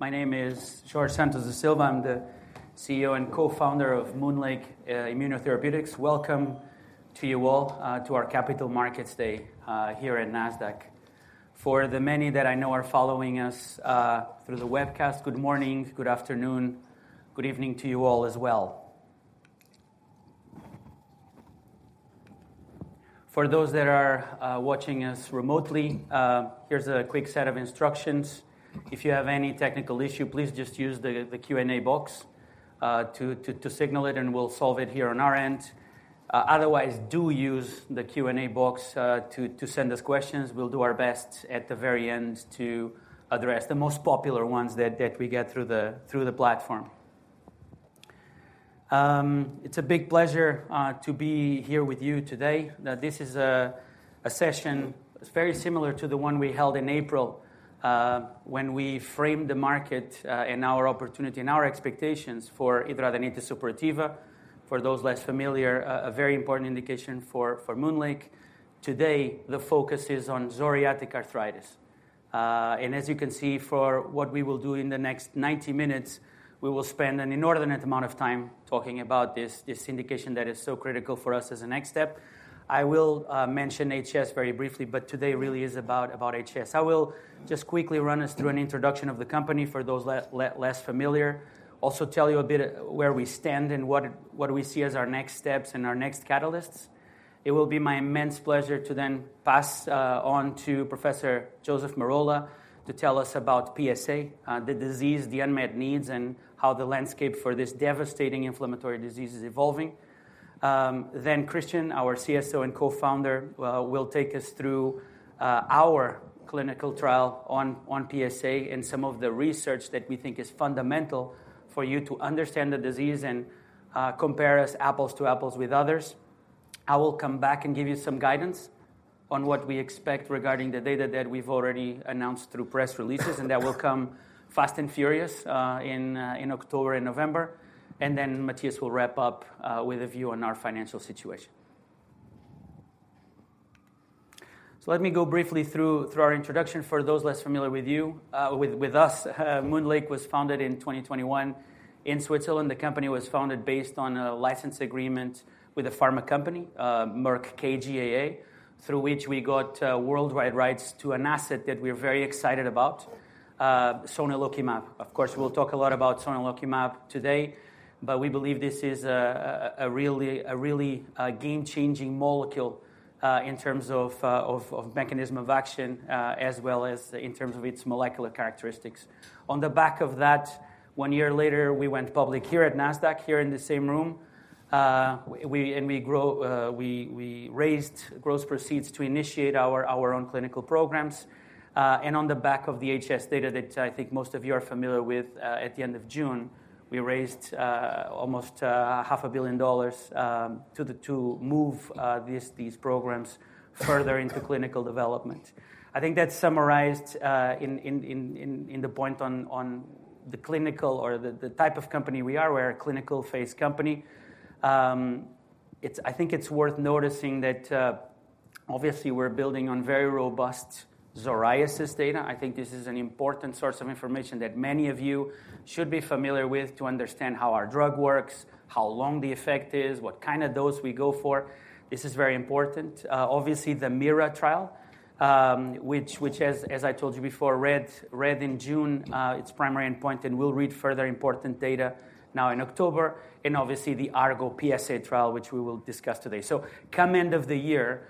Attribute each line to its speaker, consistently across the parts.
Speaker 1: My name is Jorge Santos da Silva. I'm the CEO and co-founder of MoonLake Immunotherapeutics. Welcome to you all, to our Capital Markets Day, here at Nasdaq. For the many that I know are following us, through the webcast, good morning, good afternoon, good evening to you all as well. For those that are, watching us remotely, here's a quick set of instructions. If you have any technical issue, please just use the Q&A box, to signal it, and we'll solve it here on our end. Otherwise, do use the Q&A box, to send us questions. We'll do our best at the very end to address the most popular ones that we get through the platform. It's a big pleasure, to be here with you today. Now, this is a session very similar to the one we held in April, when we framed the market, and our opportunity and our expectations for hidradenitis suppurativa. For those less familiar, a very important indication for MoonLake. Today, the focus is on psoriatic arthritis. And as you can see, for what we will do in the next 90 minutes, we will spend an inordinate amount of time talking about this indication that is so critical for us as a next step. I will mention HS very briefly, but today really is about HS. I will just quickly run us through an introduction of the company for those less familiar. Also tell you a bit where we stand and what we see as our next steps and our next catalysts. It will be my immense pleasure to then pass on to Professor Joseph Merola to tell us about PsA, the disease, the unmet needs, and how the landscape for this devastating inflammatory disease is evolving. Then Kristian, our CSO and co-founder, will take us through our clinical trial on PsA, and some of the research that we think is fundamental for you to understand the disease and compare us apples to apples with others. I will come back and give you some guidance on what we expect regarding the data that we've already announced through press releases, and that will come fast and furious in October and November. And then Matthias will wrap up with a view on our financial situation. So let me go briefly through our introduction for those less familiar with us. MoonLake was founded in 2021 in Switzerland. The company was founded based on a license agreement with a pharma company, Merck KGaA, through which we got worldwide rights to an asset that we're very excited about, sonelokimab. Of course, we'll talk a lot about sonelokimab today, but we believe this is a really game-changing molecule in terms of mechanism of action as well as in terms of its molecular characteristics. On the back of that, one year later, we went public here at Nasdaq, here in the same room. And we grew, we raised gross proceeds to initiate our own clinical programs. And on the back of the HS data that I think most of you are familiar with, at the end of June, we raised almost $500 million to move these programs further into clinical development. I think that's summarized in the point on the clinical or the type of company we are. We're a clinical phase company. I think it's worth noticing that obviously we're building on very robust psoriasis data. I think this is an important source of information that many of you should be familiar with to understand how our drug works, how long the effect is, what kind of dose we go for. This is very important. Obviously, the MIRA trial, which as I told you before, read out in June its primary endpoint and we'll read out further important data now in October, and obviously the ARGO PsA trial, which we will discuss today. So come end of the year,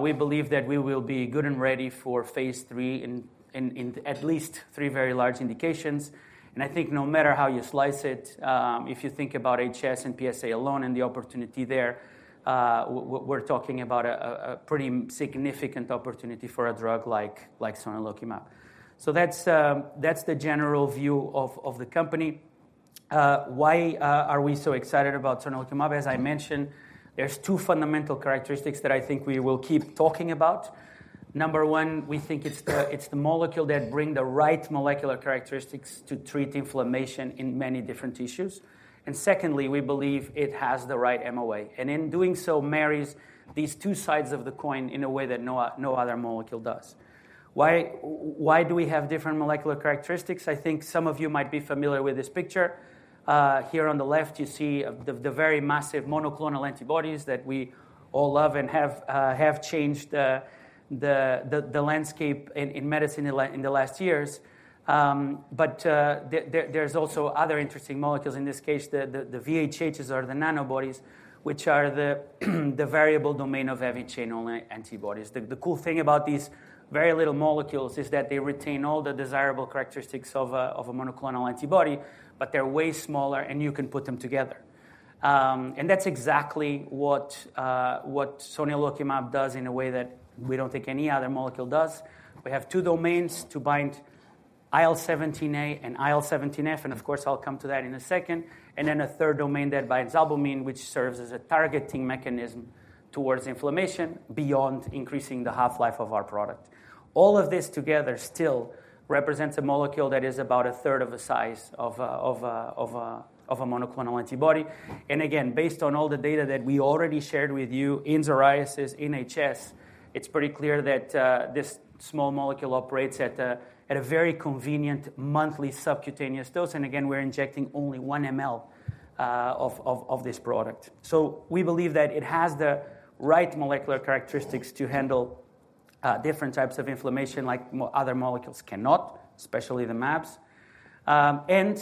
Speaker 1: we believe that we will be good and ready for phase III in at least three very large indications. And I think no matter how you slice it, if you think about HS and PsA alone and the opportunity there, we're talking about a pretty significant opportunity for a drug like sonelokimab. So that's the general view of the company. Why are we so excited about sonelokimab? As I mentioned, there's two fundamental characteristics that I think we will keep talking about. Number 1, we think it's the molecule that bring the right molecular characteristics to treat inflammation in many different tissues. And secondly, we believe it has the right MoA, and in doing so, marries these two sides of the coin in a way that no other molecule does. Why do we have different molecular characteristics? I think some of you might be familiar with this picture. Here on the left, you see the very massive monoclonal antibodies that we all love and have changed the landscape in medicine in the last years. But there's also other interesting molecules, in this case, the VHHs or the Nanobodies, which are the variable domain of heavy chain only antibodies. The cool thing about these very little molecules is that they retain all the desirable characteristics of a monoclonal antibody, but they're way smaller, and you can put them together. And that's exactly what sonelokimab does in a way that we don't think any other molecule does. We have two domains to bind IL-17A and IL-17F, and of course, I'll come to that in a second. And then a third domain that binds albumin, which serves as a targeting mechanism towards inflammation beyond increasing the half-life of our product. All of this together still represents a molecule that is about a third of the size of a monoclonal antibody. And again, based on all the data that we already shared with you in psoriasis, in HS, it's pretty clear that this small molecule operates at a very convenient monthly subcutaneous dose. And again, we're injecting only 1 ml of this product. So we believe that it has the right molecular characteristics to handle different types of inflammation like other molecules cannot, especially the mAbs. And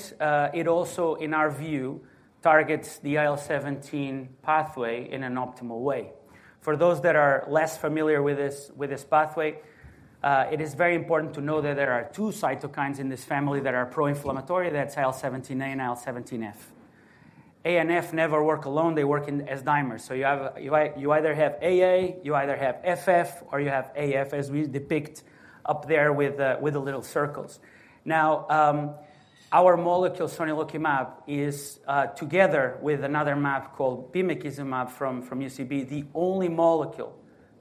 Speaker 1: it also, in our view, targets the IL-17 pathway in an optimal way. For those that are less familiar with this pathway, it is very important to know that there are 2 cytokines in this family that are pro-inflammatory. That's IL-17A and IL-17F. A and F never work alone. They work as dimers. So you have, you either have AA, you either have FF, or you have AF, as we depict up there with the little circles. Now, our molecule sonelokimab is, together with another mAb called bimekizumab from UCB, the only molecule,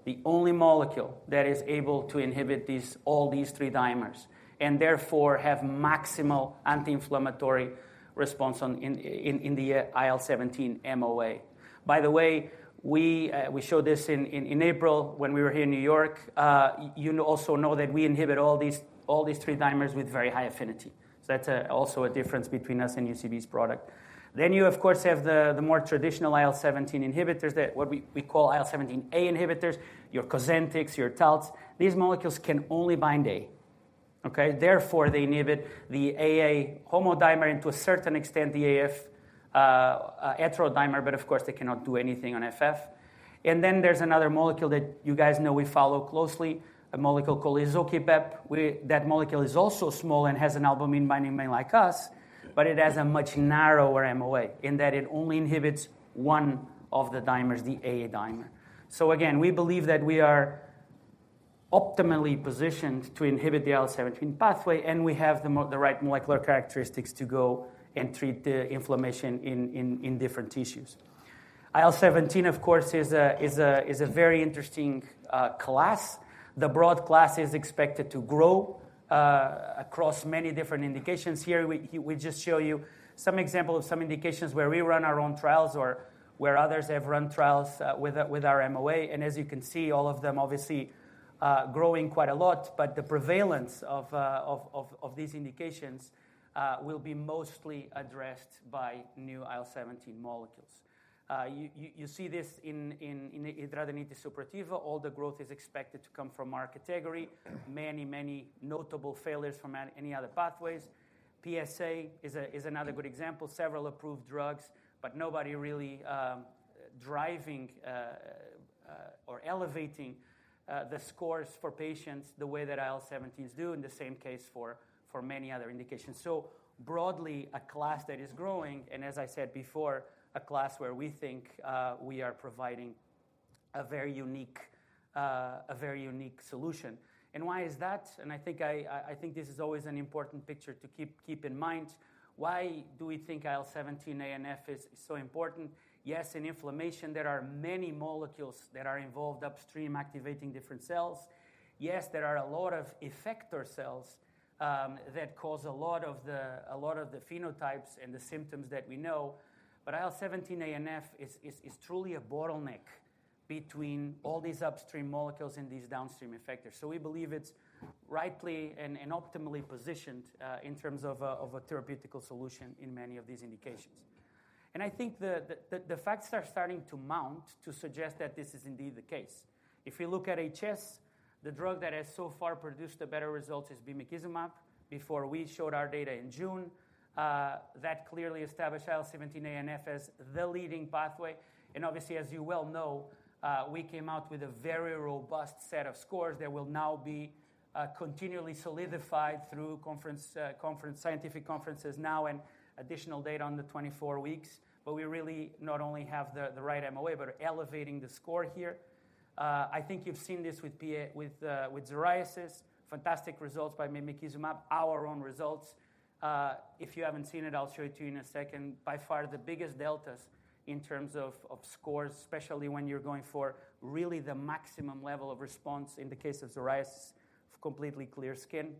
Speaker 1: the only molecule that is able to inhibit these, all these three dimers, and therefore have maximal anti-inflammatory response on, in the IL-17 MoA. By the way, we showed this in April when we were here in New York. You also know that we inhibit all these three dimers with very high affinity. So that's also a difference between us and UCB's product. Then you, of course, have the more traditional IL-17 inhibitors, the what we call IL-17A inhibitors, your Cosentyx, your Taltz. These molecules can only bind A, okay? Therefore, they inhibit the AA homodimer and to a certain extent, the AF heterodimer, but of course, they cannot do anything on FF. And then there's another molecule that you guys know we follow closely, a molecule called izokibep. That molecule is also small and has an albumin binding domain like us, but it has a much narrower MoA, in that it only inhibits one of the dimers, the AA dimer. So again, we believe that we are optimally positioned to inhibit the IL-17 pathway, and we have the right molecular characteristics to go and treat the inflammation in different tissues. IL-17, of course, is a very interesting class. The broad class is expected to grow across many different indications. Here, we just show you some example of some indications where we run our own trials or where others have run trials with our MoA, and as you can see, all of them obviously growing quite a lot, but the prevalence of these indications will be mostly addressed by new IL-17 molecules. You see this in hidradenitis suppurativa, all the growth is expected to come from our category. Many notable failures from any other pathways. PsA is another good example. Several approved drugs, but nobody really driving or elevating the scores for patients the way that IL-17s do, and the same case for many other indications. So broadly, a class that is growing, and as I said before, a class where we think we are providing a very unique, a very unique solution. And why is that? And I think I think this is always an important picture to keep in mind. Why do we think IL-17A and IL-17F is truly a bottleneck between all these upstream molecules and these downstream effectors. So we believe it's rightly and optimally positioned in terms of a therapeutic solution in many of these indications. And I think the facts are starting to mount to suggest that this is indeed the case. If we look at HS, the drug that has so far produced the better results is bimekizumab. Before we showed our data in June, that clearly established IL-17A and IL-17F as the leading pathway, and obviously, as you well know, we came out with a very robust set of scores that will now be continually solidified through scientific conferences now, and additional data on the 24 weeks. But we really not only have the right MoA, but are elevating the score here. I think you've seen this with PA, with psoriasis. Fantastic results by bimekizumab, our own results. If you haven't seen it, I'll show it to you in a second. By far, the biggest deltas in terms of, of scores, especially when you're going for really the maximum level of response in the case of psoriasis, of completely clear skin.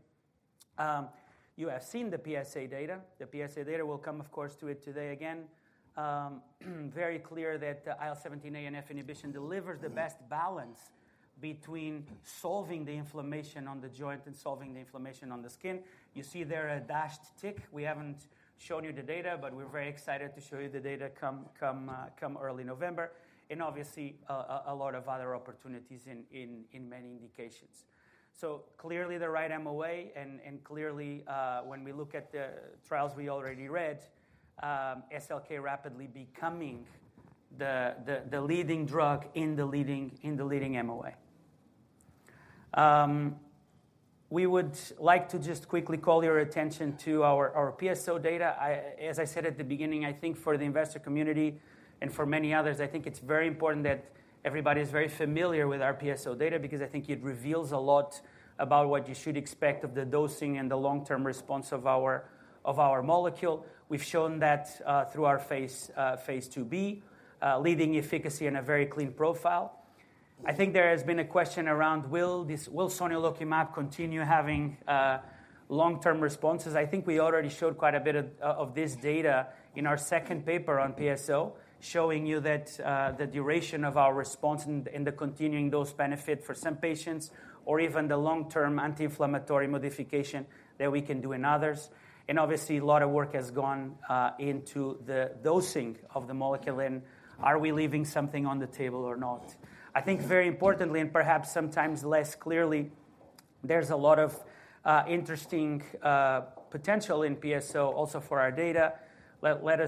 Speaker 1: You have seen the PsA data. The PsA data, we'll come, of course, to it today again. Very clear that the IL-17A and IL-17F inhibition delivers the best balance between solving the inflammation on the joint and solving the inflammation on the skin. You see there a dashed tick. We haven't shown you the data, but we're very excited to show you the data, come, come, come early November, and obviously, a, a lot of other opportunities in, in, in many indications. So clearly the right MoA and, and clearly, when we look at the trials we already read, SLK rapidly becoming the, the, the leading drug in the leading, in the leading MoA. We would like to just quickly call your attention to our PsO data. I, as I said at the beginning, I think for the investor community and for many others, I think it's very important that everybody is very familiar with our PsO data, because I think it reveals a lot about what you should expect of the dosing and the long-term response of our molecule. We've shown that through our phase II-B leading efficacy and a very clean profile. I think there has been a question around, will sonelokimab continue having long-term responses? I think we already showed quite a bit of this data in our second paper on PsO, showing you that the duration of our response and the continuing dose benefit for some patients, or even the long-term anti-inflammatory modification that we can do in others. And obviously, a lot of work has gone into the dosing of the molecule, and are we leaving something on the table or not? I think very importantly, and perhaps sometimes less clearly. There's a lot of interesting potential in PsO also for our data. Let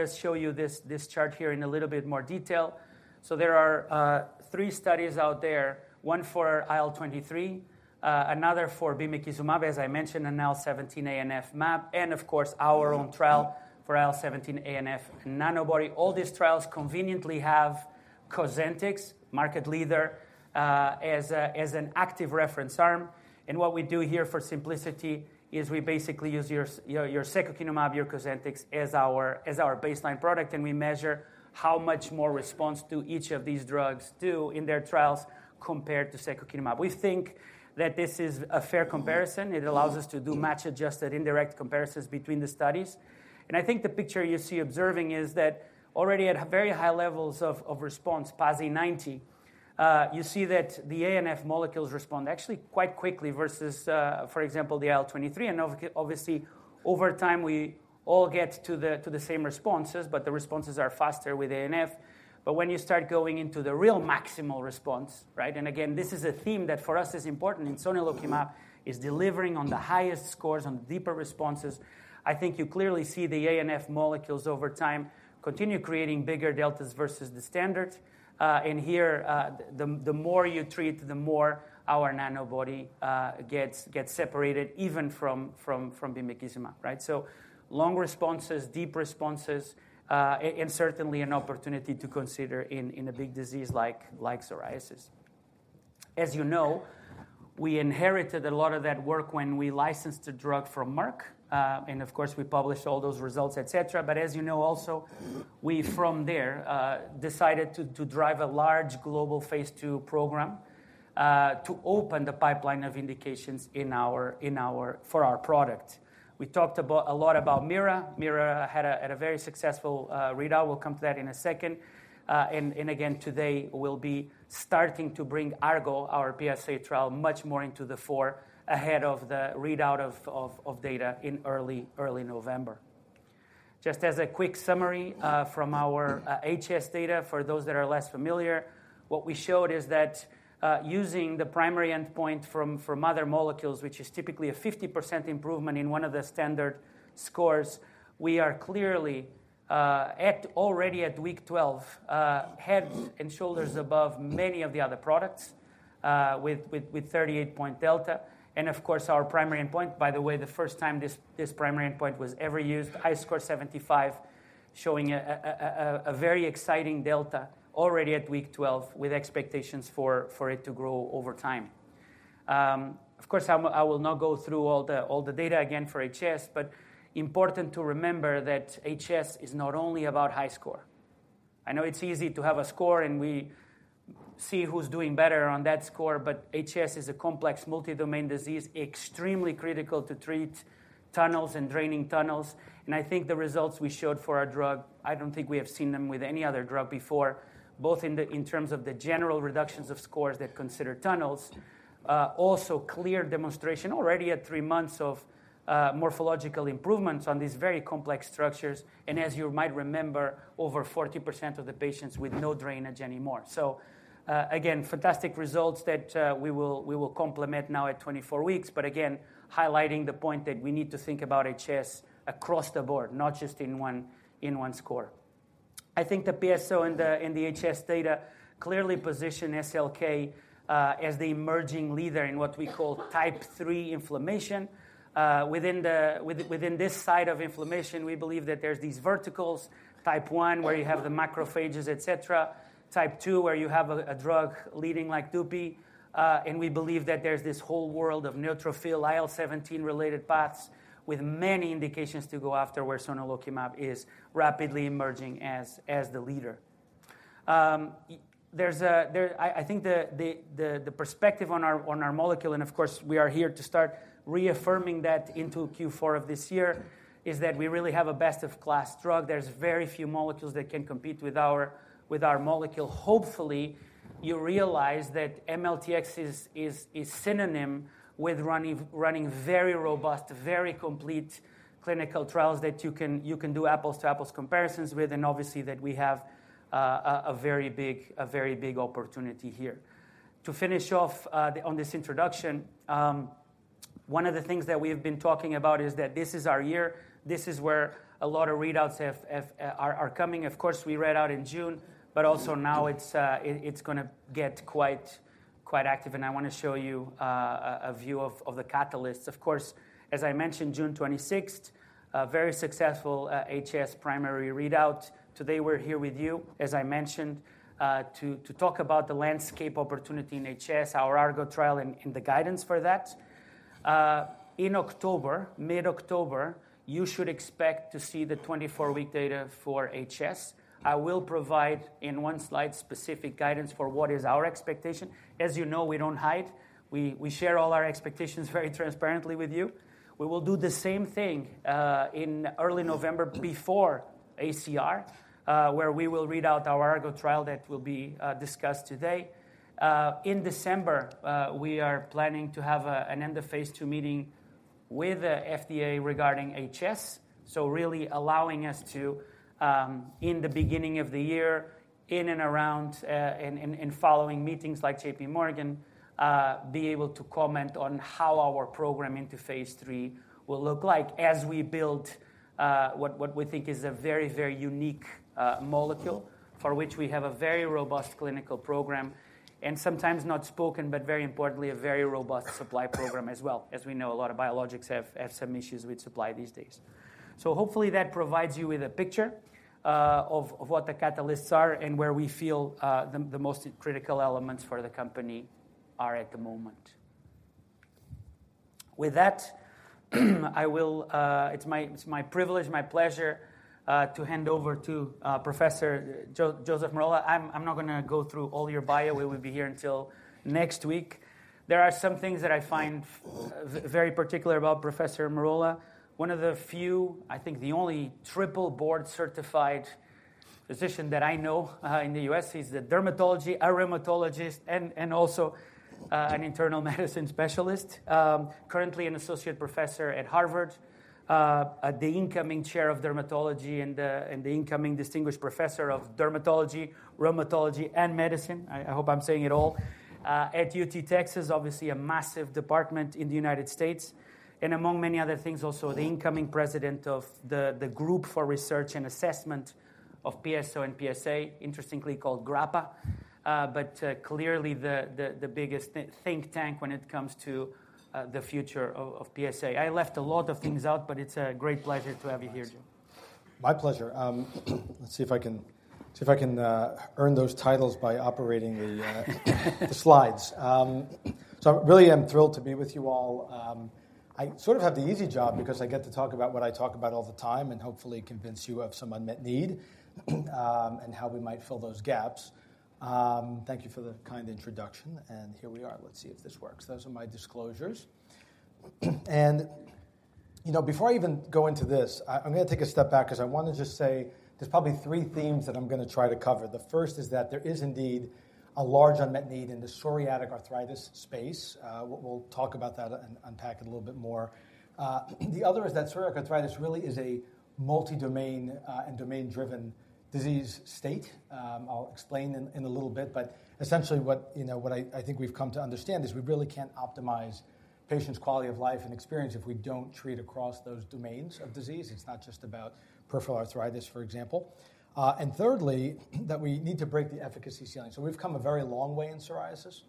Speaker 1: us show you this chart here in a little bit more detail. So there are three studies out there. One for IL-23, another for bimekizumab, as I mentioned, an IL-17A/IL-17F mAb, and of course, our own trial for IL-17A/IL-17F Nanobody. All these trials conveniently have Cosentyx, market leader, as a, as an active reference arm, and what we do here for simplicity is we basically use your secukinumab, your Cosentyx, as our, as our baseline product, and we measure how much more response do each of these drugs do in their trials compared to secukinumab. We think that this is a fair comparison. It allows us to do match-adjusted indirect comparisons between the studies, and I think the picture you see observing is that already at very high levels of response, PASI 90, you see that the A and F molecules respond actually quite quickly versus, for example, the IL-23. And obviously, over time, we all get to the same responses, but the responses are faster with A and F. But when you start going into the real maximal response, right? And again, this is a theme that for us is important, and sonelokimab is delivering on the highest scores, on the deeper responses. I think you clearly see the A and F molecules over time continue creating bigger deltas versus the standard. And here, the more you treat, the more our Nanobody gets separated even from bimekizumab, right? So long responses, deep responses, and certainly an opportunity to consider in a big disease like psoriasis. As you know, we inherited a lot of that work when we licensed the drug from Merck, and of course, we published all those results, et cetera. But as you know also, we from there decided to drive a large global phase II program to open the pipeline of indications in our for our product. We talked about a lot about MIRA. MIRA had a very successful readout. We'll come to that in a second. And again, today we'll be starting to bring ARGO, our PsA trial, much more into the fore ahead of the readout of data in early November. Just as a quick summary, from our HS data, for those that are less familiar, what we showed is that, using the primary endpoint from other molecules, which is typically a 50% improvement in one of the standard scores, we are clearly already at week 12, head and shoulders above many of the other products, with 38-point delta. And of course, our primary endpoint, by the way, the first time this primary endpoint was ever used, HiSCR75, showing a very exciting delta already at week 12, with expectations for it to grow over time. Of course, I will not go through all the data again for HS, but important to remember that HS is not only about HiSCR. I know it's easy to have a score, and we see who's doing better on that score, but HS is a complex multi-domain disease, extremely critical to treat tunnels and draining tunnels, and I think the results we showed for our drug. I don't think we have seen them with any other drug before, both in terms of the general reductions of scores that consider tunnels. Also clear demonstration already at three months of morphological improvements on these very complex structures, and as you might remember, over 40% of the patients with no drainage anymore. So, again, fantastic results that we will complement now at 24 weeks. But again, highlighting the point that we need to think about HS across the board, not just in one score. I think the PsO and the HS data clearly position SLK as the emerging leader in what we call Type III inflammation. Within this side of inflammation, we believe that there's these verticals, Type I, where you have the macrophages, et cetera. Type II, where you have a drug leading like Dupi, and we believe that there's this whole world of neutrophil IL-17 related paths with many indications to go after, where sonelokimab is rapidly emerging as the leader. I think the perspective on our molecule, and of course, we are here to start reaffirming that into Q4 of this year, is that we really have a best-in-class drug. There's very few molecules that can compete with our molecule. Hopefully, you realize that MLTX is synonymous with running very robust, very complete clinical trials that you can do apples-to-apples comparisons with, and obviously, that we have a very big opportunity here. To finish off on this introduction, one of the things that we've been talking about is that this is our year. This is where a lot of readouts are coming. Of course, we read out in June, but also now it's gonna get quite active, and I wanna show you a view of the catalysts. Of course, as I mentioned, June twenty-sixth, a very successful HS primary readout. Today, we're here with you, as I mentioned, to talk about the landscape opportunity in HS, our ARGO trial, and the guidance for that. In October, mid-October, you should expect to see the 24-week data for HS. I will provide in one slide, specific guidance for what is our expectation. As you know, we don't hide. We, we share all our expectations very transparently with you. We will do the same thing, in early November before ACR, where we will read out our ARGO trial. That will be, discussed today. In December, we are planning to have a, an end of phase II meeting with the FDA regarding HS. So really allowing us to, in the beginning of the year, in and around, in following meetings like JPMorgan, be able to comment on how our program into phase III will look like as we build, what we think is a very, very unique, molecule for which we have a very robust clinical program, and sometimes not spoken, but very importantly, a very robust supply program as well. As we know, a lot of biologics have, have some issues with supply these days. So hopefully that provides you with a picture, of what the catalysts are and where we feel, the most critical elements for the company are at the moment. With that, I will, it's my, it's my privilege, my pleasure, to hand over to, Professor Joseph Merola. I'm not gonna go through all your bio. We would be here until next week. There are some things that I find very particular about Professor Merola. One of the few, I think the only triple board-certified physician that I know, in the U.S. He's a dermatologist, a rheumatologist, and also, an internal medicine specialist. Currently an associate professor at Harvard, the incoming chair of dermatology and the incoming distinguished professor of dermatology, rheumatology, and medicine. I hope I'm saying it all. At UT Texas, obviously a massive department in the United States, and among many other things, also the incoming president of the Group for Research and Assessment of PsO and PsA, interestingly called GRAPPA, but clearly the biggest think tank when it comes to the future of PsA. I left a lot of things out, but it's a great pleasure to have you here, Joe.
Speaker 2: My pleasure. Let's see if I can earn those titles by operating the slides. So really I'm thrilled to be with you all. I sort of have the easy job because I get to talk about what I talk about all the time and hopefully convince you of some unmet need, and how we might fill those gaps. Thank you for the kind introduction, and here we are. Let's see if this works. Those are my disclosures. You know, before I even go into this, I'm gonna take a step back 'cause I wanna just say there's probably three themes that I'm gonna try to cover. The first is that there is indeed a large unmet need in the psoriatic arthritis space. We'll talk about that and unpack it a little bit more. The other is that psoriatic arthritis really is a multi-domain and domain-driven disease state. I'll explain in a little bit, but essentially what you know what I think we've come to understand is we really can't optimize patients' quality of life and experience if we don't treat across those domains of disease. It's not just about peripheral arthritis, for example. And thirdly, that we need to break the efficacy ceiling. So we've come a very long way in psoriasis.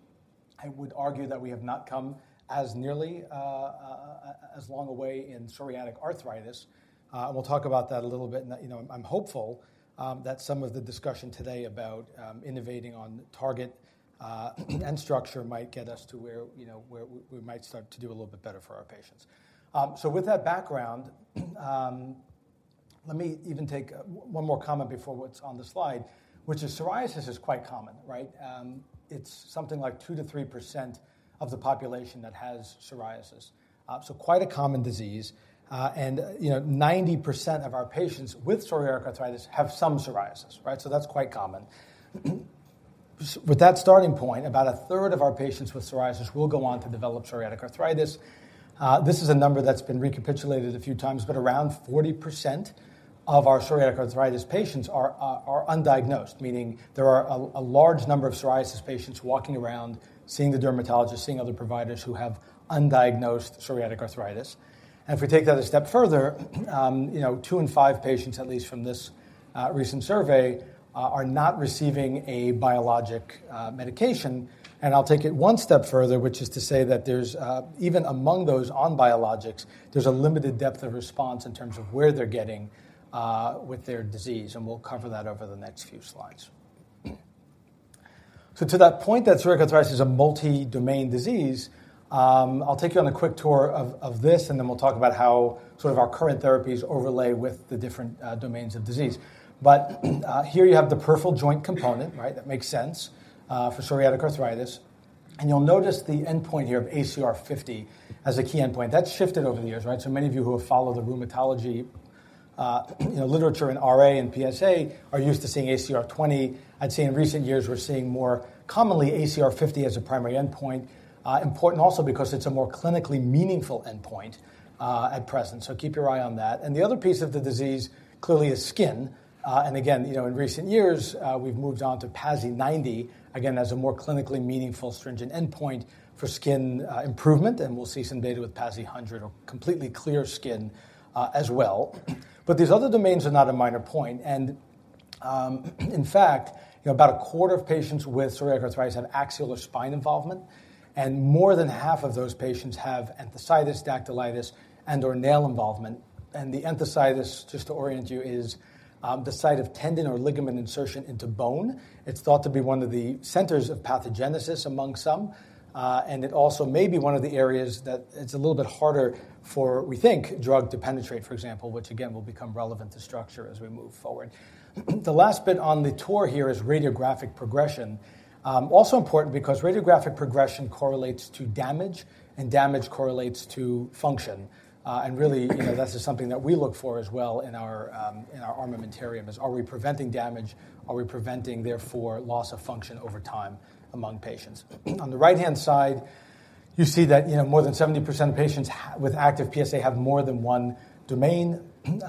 Speaker 2: I would argue that we have not come as nearly as long a way in psoriatic arthritis. And we'll talk about that a little bit. You know, I'm hopeful that some of the discussion today about innovating on target and structure might get us to where, you know, where we might start to do a little bit better for our patients. With that background, let me even take one more comment before what's on the slide, which is psoriasis is quite common, right? It's something like 2%-3% of the population that has psoriasis. Quite a common disease. You know, 90% of our patients with psoriatic arthritis have some psoriasis, right? That's quite common. With that starting point, about a third of our patients with psoriasis will go on to develop psoriatic arthritis. This is a number that's been recapitulated a few times, but around 40% of our psoriatic arthritis patients are undiagnosed, meaning there are a large number of psoriasis patients walking around, seeing the dermatologist, seeing other providers who have undiagnosed psoriatic arthritis. And if we take that a step further, you know, 2 in 5 patients, at least from this recent survey, are not receiving a biologic medication. And I'll take it one step further, which is to say that there's even among those on biologics, there's a limited depth of response in terms of where they're getting with their disease, and we'll cover that over the next few slides. So to that point, that psoriatic arthritis is a multi-domain disease, I'll take you on a quick tour of this, and then we'll talk about how sort of our current therapies overlay with the different domains of disease. But here you have the peripheral joint component, right? That makes sense for psoriatic arthritis. And you'll notice the endpoint here of ACR50 as a key endpoint. That's shifted over the years, right? So many of you who have followed the rheumatology, you know, literature in RA and PsA are used to seeing ACR20. I'd say in recent years, we're seeing more commonly ACR50 as a primary endpoint. Important also because it's a more clinically meaningful endpoint at present. So keep your eye on that. And the other piece of the disease clearly is skin. And again, you know, in recent years, we've moved on to PASI 90, again, as a more clinically meaningful stringent endpoint for skin improvement, and we'll see some data with PASI 100 or completely clear skin, as well. But these other domains are not a minor point, and, in fact, you know, about a quarter of patients with psoriatic arthritis have axial or spine involvement, and more than half of those patients have enthesitis, dactylitis, and/or nail involvement. And the enthesitis, just to orient you, is the site of tendon or ligament insertion into bone. It's thought to be one of the centers of pathogenesis among some, and it also may be one of the areas that it's a little bit harder for, we think, drug to penetrate, for example, which again, will become relevant to structure as we move forward. The last bit on the tour here is radiographic progression. Also important because radiographic progression correlates to damage, and damage correlates to function. And really, you know, that's just something that we look for as well in our, in our armamentarium, is are we preventing damage? Are we preventing, therefore, loss of function over time among patients? On the right-hand side-... You see that, you know, more than 70% of patients with active PsA have more than one domain. In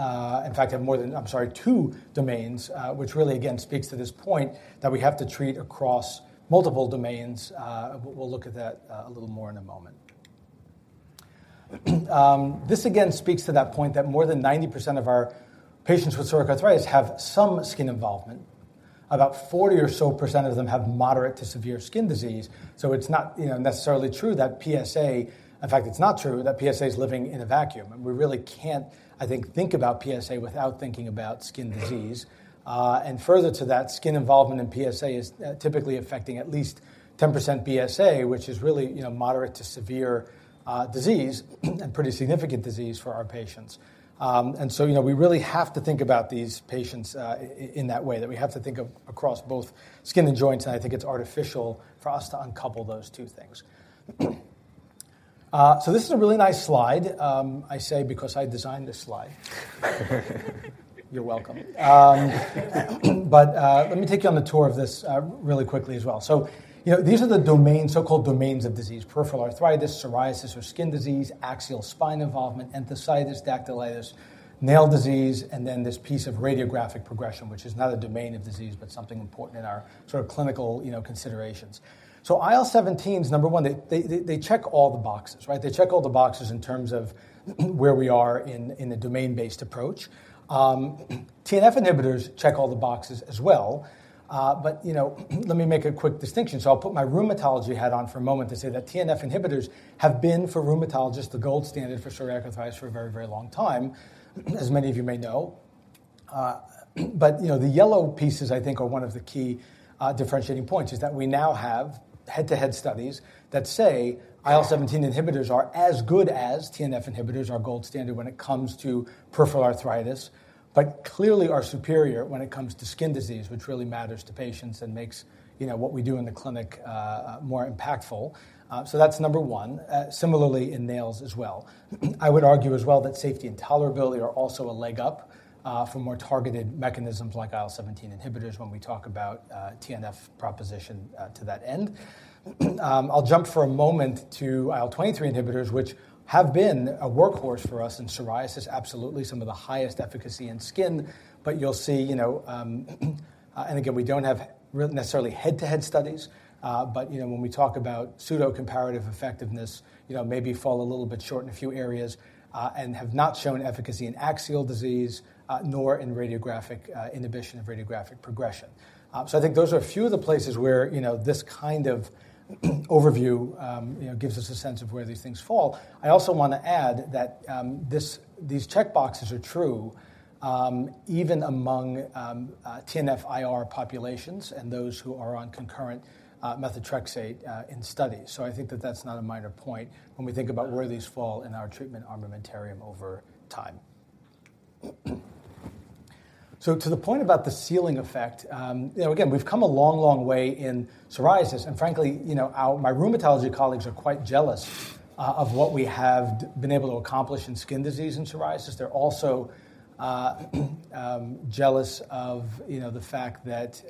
Speaker 2: fact, have more than, I'm sorry, two domains, which really again speaks to this point that we have to treat across multiple domains. We'll look at that, a little more in a moment. This again speaks to that point that more than 90% of our patients with psoriatic arthritis have some skin involvement. About 40% or so of them have moderate to severe skin disease. So it's not, you know, necessarily true that PsA—in fact, it's not true that PsA is living in a vacuum, and we really can't, I think, think about PsA without thinking about skin disease. And further to that, skin involvement in PsA is typically affecting at least 10% BSA, which is really, you know, moderate to severe disease, and pretty significant disease for our patients. And so, you know, we really have to think about these patients, in that way, that we have to think of across both skin and joints, and I think it's artificial for us to uncouple those two things. So this is a really nice slide. I say because I designed this slide. You're welcome. But, let me take you on a tour of this, really quickly as well. So, you know, these are the domains, so-called domains of disease: peripheral arthritis, psoriasis or skin disease, axial spine involvement, enthesitis, dactylitis, nail disease, and then this piece of radiographic progression, which is not a domain of disease, but something important in our sort of clinical, you know, considerations. So IL-17s, number one, they check all the boxes, right? They check all the boxes in terms of where we are in a domain-based approach. TNF inhibitors check all the boxes as well, but, you know, let me make a quick distinction. So I'll put my rheumatology hat on for a moment to say that TNF inhibitors have been, for rheumatologists, the gold standard for psoriatic arthritis for a very, very long time, as many of you may know. But, you know, the yellow pieces, I think, are one of the key differentiating points, is that we now have head-to-head studies that say IL-17 inhibitors are as good as TNF inhibitors, our gold standard, when it comes to peripheral arthritis, but clearly are superior when it comes to skin disease, which really matters to patients and makes, you know, what we do in the clinic, more impactful. So that's number one. Similarly in nails as well. I would argue as well that safety and tolerability are also a leg up, for more targeted mechanisms like IL-17 inhibitors when we talk about, TNF proposition, to that end. I'll jump for a moment to IL-23 inhibitors, which have been a workhorse for us in psoriasis, absolutely some of the highest efficacy in skin. But you'll see, you know, and again, we don't have necessarily head-to-head studies, but, you know, when we talk about pseudo-comparative effectiveness, you know, maybe fall a little bit short in a few areas, and have not shown efficacy in axial disease, nor in radiographic inhibition of radiographic progression. So I think those are a few of the places where, you know, this kind of overview, you know, gives us a sense of where these things fall. I also want to add that these checkboxes are true, even among TNF-IR populations and those who are on concurrent methotrexate in studies. So I think that's not a minor point when we think about where these fall in our treatment armamentarium over time. So to the point about the ceiling effect, you know, again, we've come a long, long way in psoriasis, and frankly, you know, our my rheumatology colleagues are quite jealous of what we have been able to accomplish in skin disease in psoriasis. They're also jealous of, you know, the fact that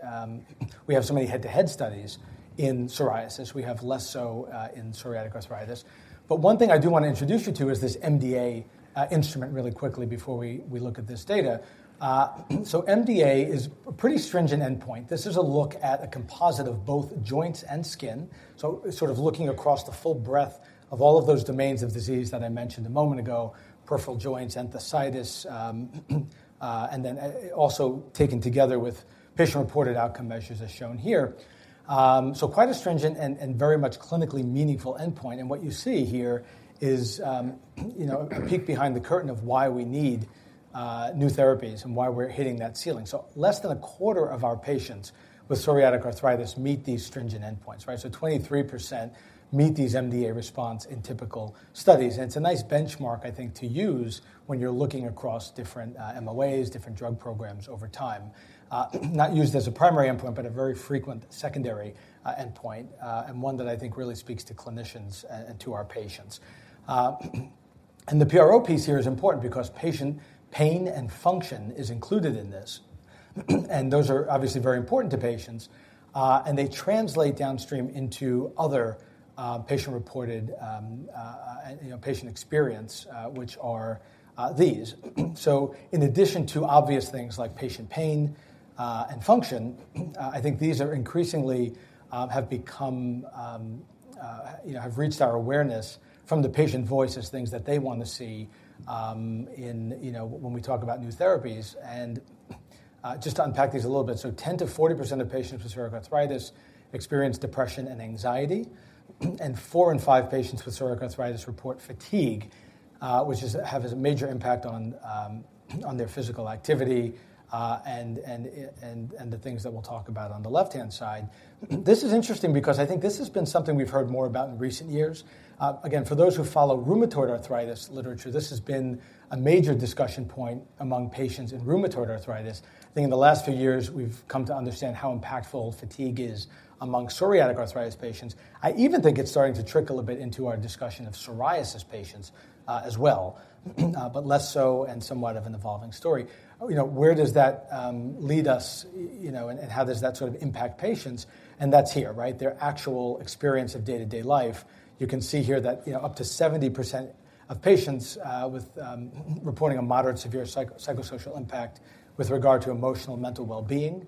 Speaker 2: we have so many head-to-head studies in psoriasis. We have less so in psoriatic arthritis. But one thing I do want to introduce you to is this MDA instrument really quickly before we look at this data. So MDA is a pretty stringent endpoint. This is a look at a composite of both joints and skin. So sort of looking across the full breadth of all of those domains of disease that I mentioned a moment ago, peripheral joints, enthesitis, and then also taken together with patient-reported outcome measures as shown here. So quite a stringent and very much clinically meaningful endpoint. And what you see here is, you know, a peek behind the curtain of why we need new therapies and why we're hitting that ceiling. So less than a quarter of our patients with psoriatic arthritis meet these stringent endpoints, right? So 23% meet these MDA response in typical studies, and it's a nice benchmark, I think, to use when you're looking across different MoAs, different drug programs over time. Not used as a primary endpoint, but a very frequent secondary endpoint, and one that I think really speaks to clinicians and to our patients. And the PRO piece here is important because patient pain and function is included in this, and those are obviously very important to patients, and they translate downstream into other patient-reported, you know, patient experience, which are these. So in addition to obvious things like patient pain and function, I think these are increasingly have become you know have reached our awareness from the patient voice as things that they want to see in you know when we talk about new therapies and just to unpack these a little bit. So 10%-40% of patients with psoriatic arthritis experience depression and anxiety, and four in five patients with psoriatic arthritis report fatigue, which is have a major impact on their physical activity and the things that we'll talk about on the left-hand side. This is interesting because I think this has been something we've heard more about in recent years. Again, for those who follow rheumatoid arthritis literature, this has been a major discussion point among patients in rheumatoid arthritis. I think in the last few years, we've come to understand how impactful fatigue is among psoriatic arthritis patients. I even think it's starting to trickle a bit into our discussion of psoriasis patients as well, but less so and somewhat of an evolving story. You know, where does that lead us, you know, and how does that sort of impact patients? And that's here, right? Their actual experience of day-to-day life. You can see here that, you know, up to 70% of patients with reporting a moderate severe psychosocial impact with regard to emotional and mental well-being,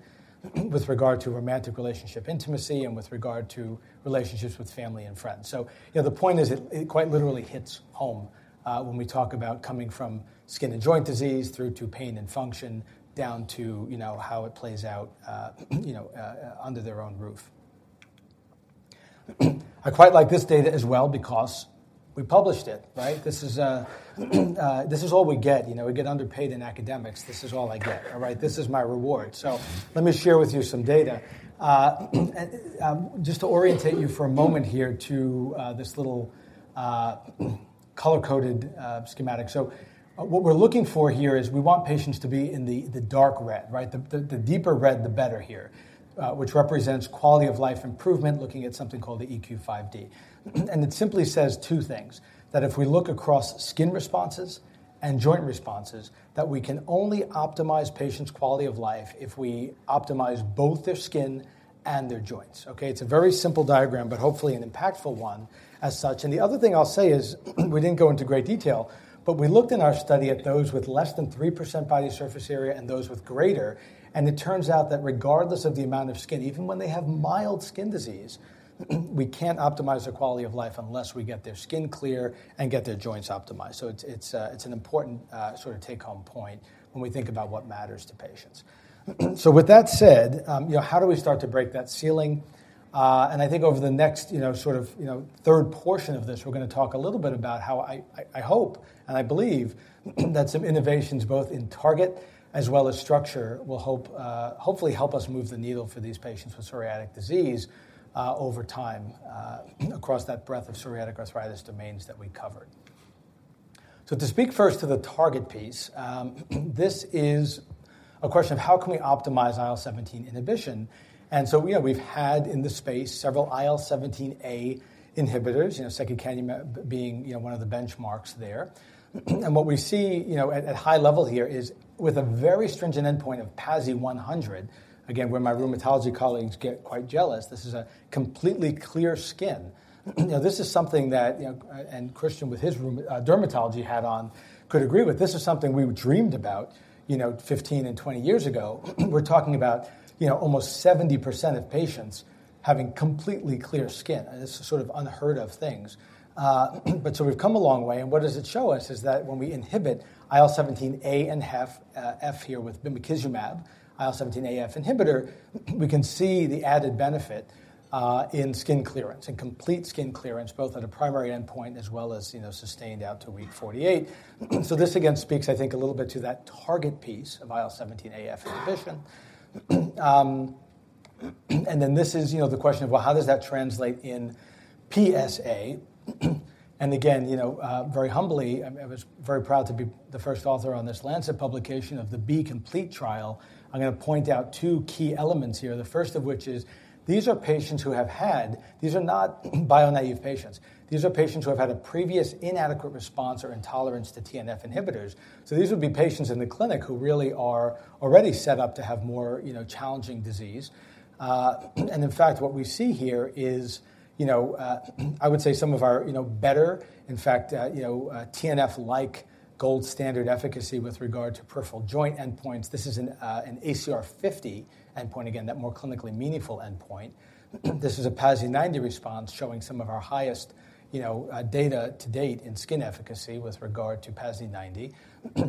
Speaker 2: with regard to romantic relationship intimacy, and with regard to relationships with family and friends. So, you know, the point is it quite literally hits home, when we talk about coming from skin and joint disease through to pain and function, down to, you know, how it plays out, you know, under their own roof. I quite like this data as well because we published it, right? This is all we get. You know, we get underpaid in academics. This is all I get. All right? This is my reward. So let me share with you some data. And just to orient you for a moment here to this little color-coded schematic. So what we're looking for here is we want patients to be in the dark red, right? The deeper red, the better here, which represents quality of life improvement, looking at something called the EQ-5D. And it simply says two things: that if we look across skin responses and joint responses, that we can only optimize patients' quality of life if we optimize both their skin and their joints, okay? It's a very simple diagram, but hopefully an impactful one as such. The other thing I'll say is, we didn't go into great detail, but we looked in our study at those with less than 3% body surface area and those with greater, and it turns out that regardless of the amount of skin, even when they have mild skin disease, we can't optimize their quality of life unless we get their skin clear and get their joints optimized. So it's an important sort of take-home point when we think about what matters to patients. So with that said, you know, how do we start to break that ceiling? I think over the next, you know, sort of, you know, third portion of this, we're gonna talk a little bit about how I hope and I believe that some innovations, both in target as well as structure, will hopefully help us move the needle for these patients with psoriatic disease over time, across that breadth of psoriatic arthritis domains that we covered. So to speak first to the target piece, this is a question of how can we optimize IL-17 inhibition? And so, you know, we've had in this space several IL-17A inhibitors, you know, secukinumab being, you know, one of the benchmarks there. And what we see, you know, at high level here is with a very stringent endpoint of PASI 100, again, where my rheumatology colleagues get quite jealous; this is a completely clear skin. You know, this is something that, you know, and Kristian with his rheumatology and dermatology hat on could agree with. This is something we dreamed about, you know, 15 and 20 years ago. We're talking about, you know, almost 70% of patients having completely clear skin, and this is sort of unheard of things. But we've come a long way, and what does it show us is that when we inhibit IL-17A and IL-17F with bimekizumab, IL-17AF inhibitor, we can see the added benefit in skin clearance and complete skin clearance, both at a primary endpoint as well as, you know, sustained out to week 48. So this again speaks, I think, a little bit to that target piece of IL-17AF inhibition. And then this is, you know, the question of, well, how does that translate in PsA? And again, you know, very humbly, I was very proud to be the first author on this Lancet publication of the BE COMPLETE trial. I'm gonna point out two key elements here. The first of which is, these are patients who have had—these are not bio-naive patients. These are patients who have had a previous inadequate response or intolerance to TNF inhibitors. So these would be patients in the clinic who really are already set up to have more, you know, challenging disease. And in fact, what we see here is, you know, I would say some of our, you know, better, in fact, you know, TNF-like gold standard efficacy with regard to peripheral joint endpoints. This is an ACR 50 endpoint, again, that more clinically meaningful endpoint. This is a PASI 90 response, showing some of our highest, you know, data to date in skin efficacy with regard to PASI 90.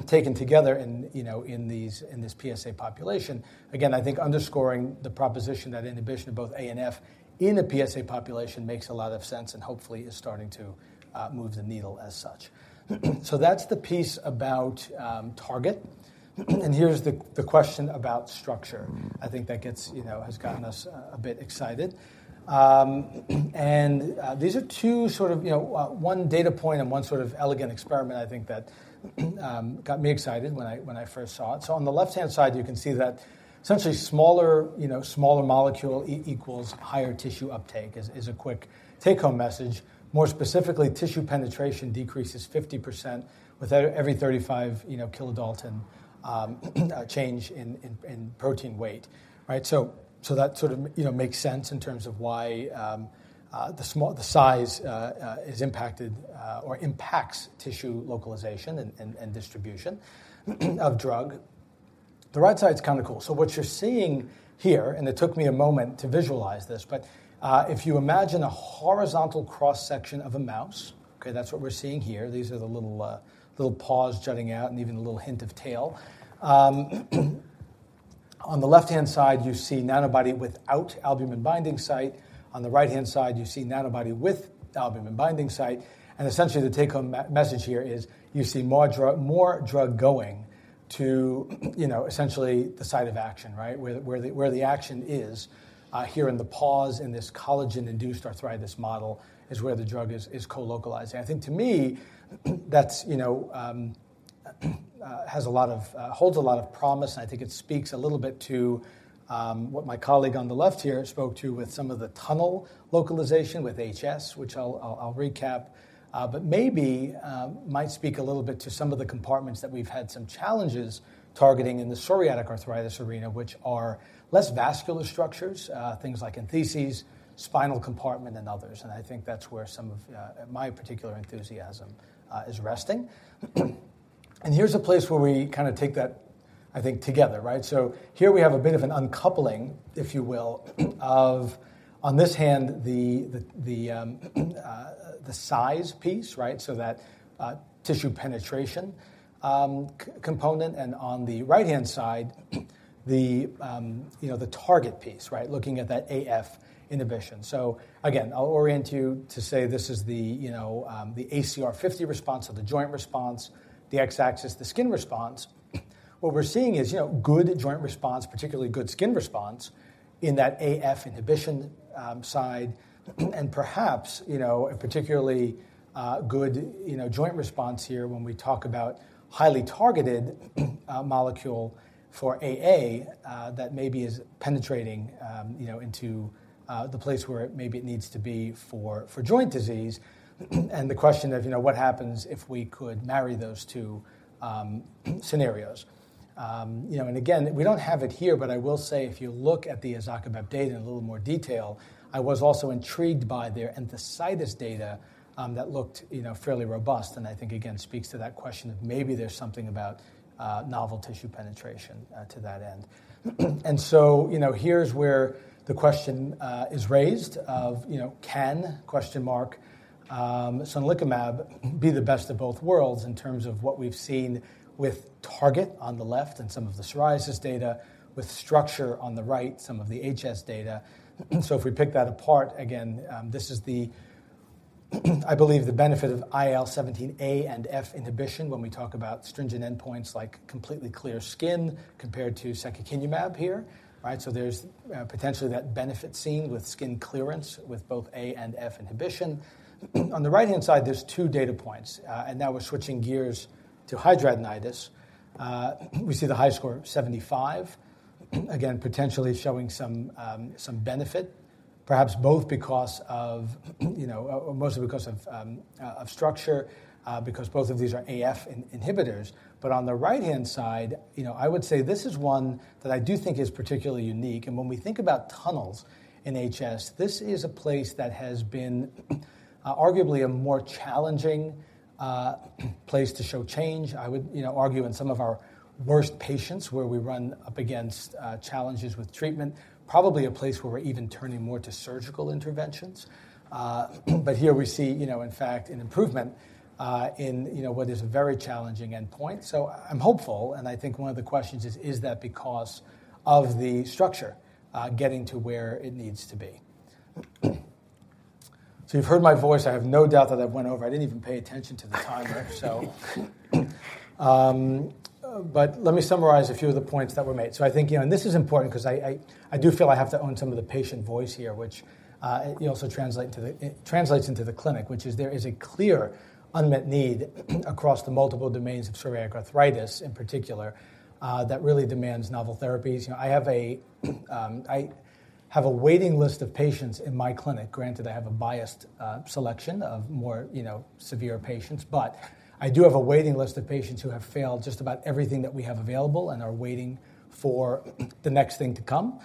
Speaker 2: Taken together in, you know, in this PsA population, again, I think underscoring the proposition that inhibition of both A and F in a PsA population makes a lot of sense and hopefully is starting to move the needle as such. So that's the piece about target. And here's the question about structure. I think that gets, you know, has gotten us a bit excited. And these are two sort of, you know, one data point and one sort of elegant experiment I think that got me excited when I first saw it. So on the left-hand side, you can see that essentially smaller, you know, smaller molecule equals higher tissue uptake is a quick take-home message. More specifically, tissue penetration decreases 50% with every 35, you know, kilodalton change in protein weight, right? So, so that sort of makes sense in terms of why the small the size impacts tissue localization and distribution of drug. The right side is kind of cool. So what you're seeing here, and it took me a moment to visualize this, but if you imagine a horizontal cross-section of a mouse, okay, that's what we're seeing here. These are the little little paws jutting out and even a little hint of tail. On the left-hand side, you see Nanobody without albumin binding site. On the right-hand side, you see Nanobody with albumin binding site. Essentially, the take-home message here is you see more drug, more drug going to, you know, essentially the site of action, right? Where the action is here in the paws in this collagen-induced arthritis model is where the drug is co-localizing. I think to me, that's, you know, holds a lot of promise, and I think it speaks a little bit to what my colleague on the left here spoke to with some of the tunnel localization with HS, which I'll recap. But maybe might speak a little bit to some of the compartments that we've had some challenges targeting in the psoriatic arthritis arena, which are less vascular structures, things like entheses, spinal compartment, and others. I think that's where some of my particular enthusiasm is resting. Here's a place where we kinda take that, I think, together, right? So here we have a bit of an uncoupling, if you will, of, on this hand, the size piece, right? So that, tissue penetration, component, and on the right-hand side, you know, the target piece, right? Looking at that AF inhibition. So again, I'll orient you to say this is the, you know, the ACR50 response or the joint response, the x-axis, the skin response. What we're seeing is, you know, good joint response, particularly good skin response in that AF inhibition side, and perhaps, you know, a particularly good, you know, joint response here when we talk about highly targeted molecule for AA that maybe is penetrating, you know, into the place where maybe it needs to be for joint disease. And the question of, you know, what happens if we could marry those two scenarios? You know, and again, we don't have it here, but I will say if you look at the izokibep data in a little more detail, I was also intrigued by their enthesitis data that looked, you know, fairly robust. And I think, again, speaks to that question of maybe there's something about novel tissue penetration to that end. You know, here's where the question is raised of, you know, can sonelokimab be the best of both worlds in terms of what we've seen with target on the left and some of the psoriasis data with structure on the right, some of the HS data. So if we pick that apart, again, this is, I believe, the benefit of IL-17A and IL-17F inhibition when we talk about stringent endpoints like completely clear skin compared to secukinumab here, right? So there's potentially that benefit seen with skin clearance with both A and F inhibition. On the right-hand side, there's two data points. And now we're switching gears to hidradenitis. We see the HiSCR75 again, potentially showing some benefit, perhaps both because of, you know, or mostly because of structure, because both of these are IL-17A/F inhibitors. But on the right-hand side, you know, I would say this is one that I do think is particularly unique. And when we think about tunnels in HS, this is a place that has been arguably a more challenging place to show change. I would, you know, argue in some of our worst patients, where we run up against challenges with treatment, probably a place where we're even turning more to surgical interventions. But here we see, you know, in fact, an improvement in what is a very challenging endpoint. So I'm hopeful, and I think one of the questions is: Is that because of the structure getting to where it needs to be? So you've heard my voice. I have no doubt that I've went over. I didn't even pay attention to the timer, so. But let me summarize a few of the points that were made. So I think, you know, and this is important 'cause I, I, I do feel I have to own some of the patient voice here, which it translates into the clinic, which is there is a clear unmet need across the multiple domains of psoriatic arthritis in particular that really demands novel therapies. You know, I have a, I have a waiting list of patients in my clinic, granted I have a biased selection of more, you know, severe patients. But I do have a waiting list of patients who have failed just about everything that we have available and are waiting for the next thing to come.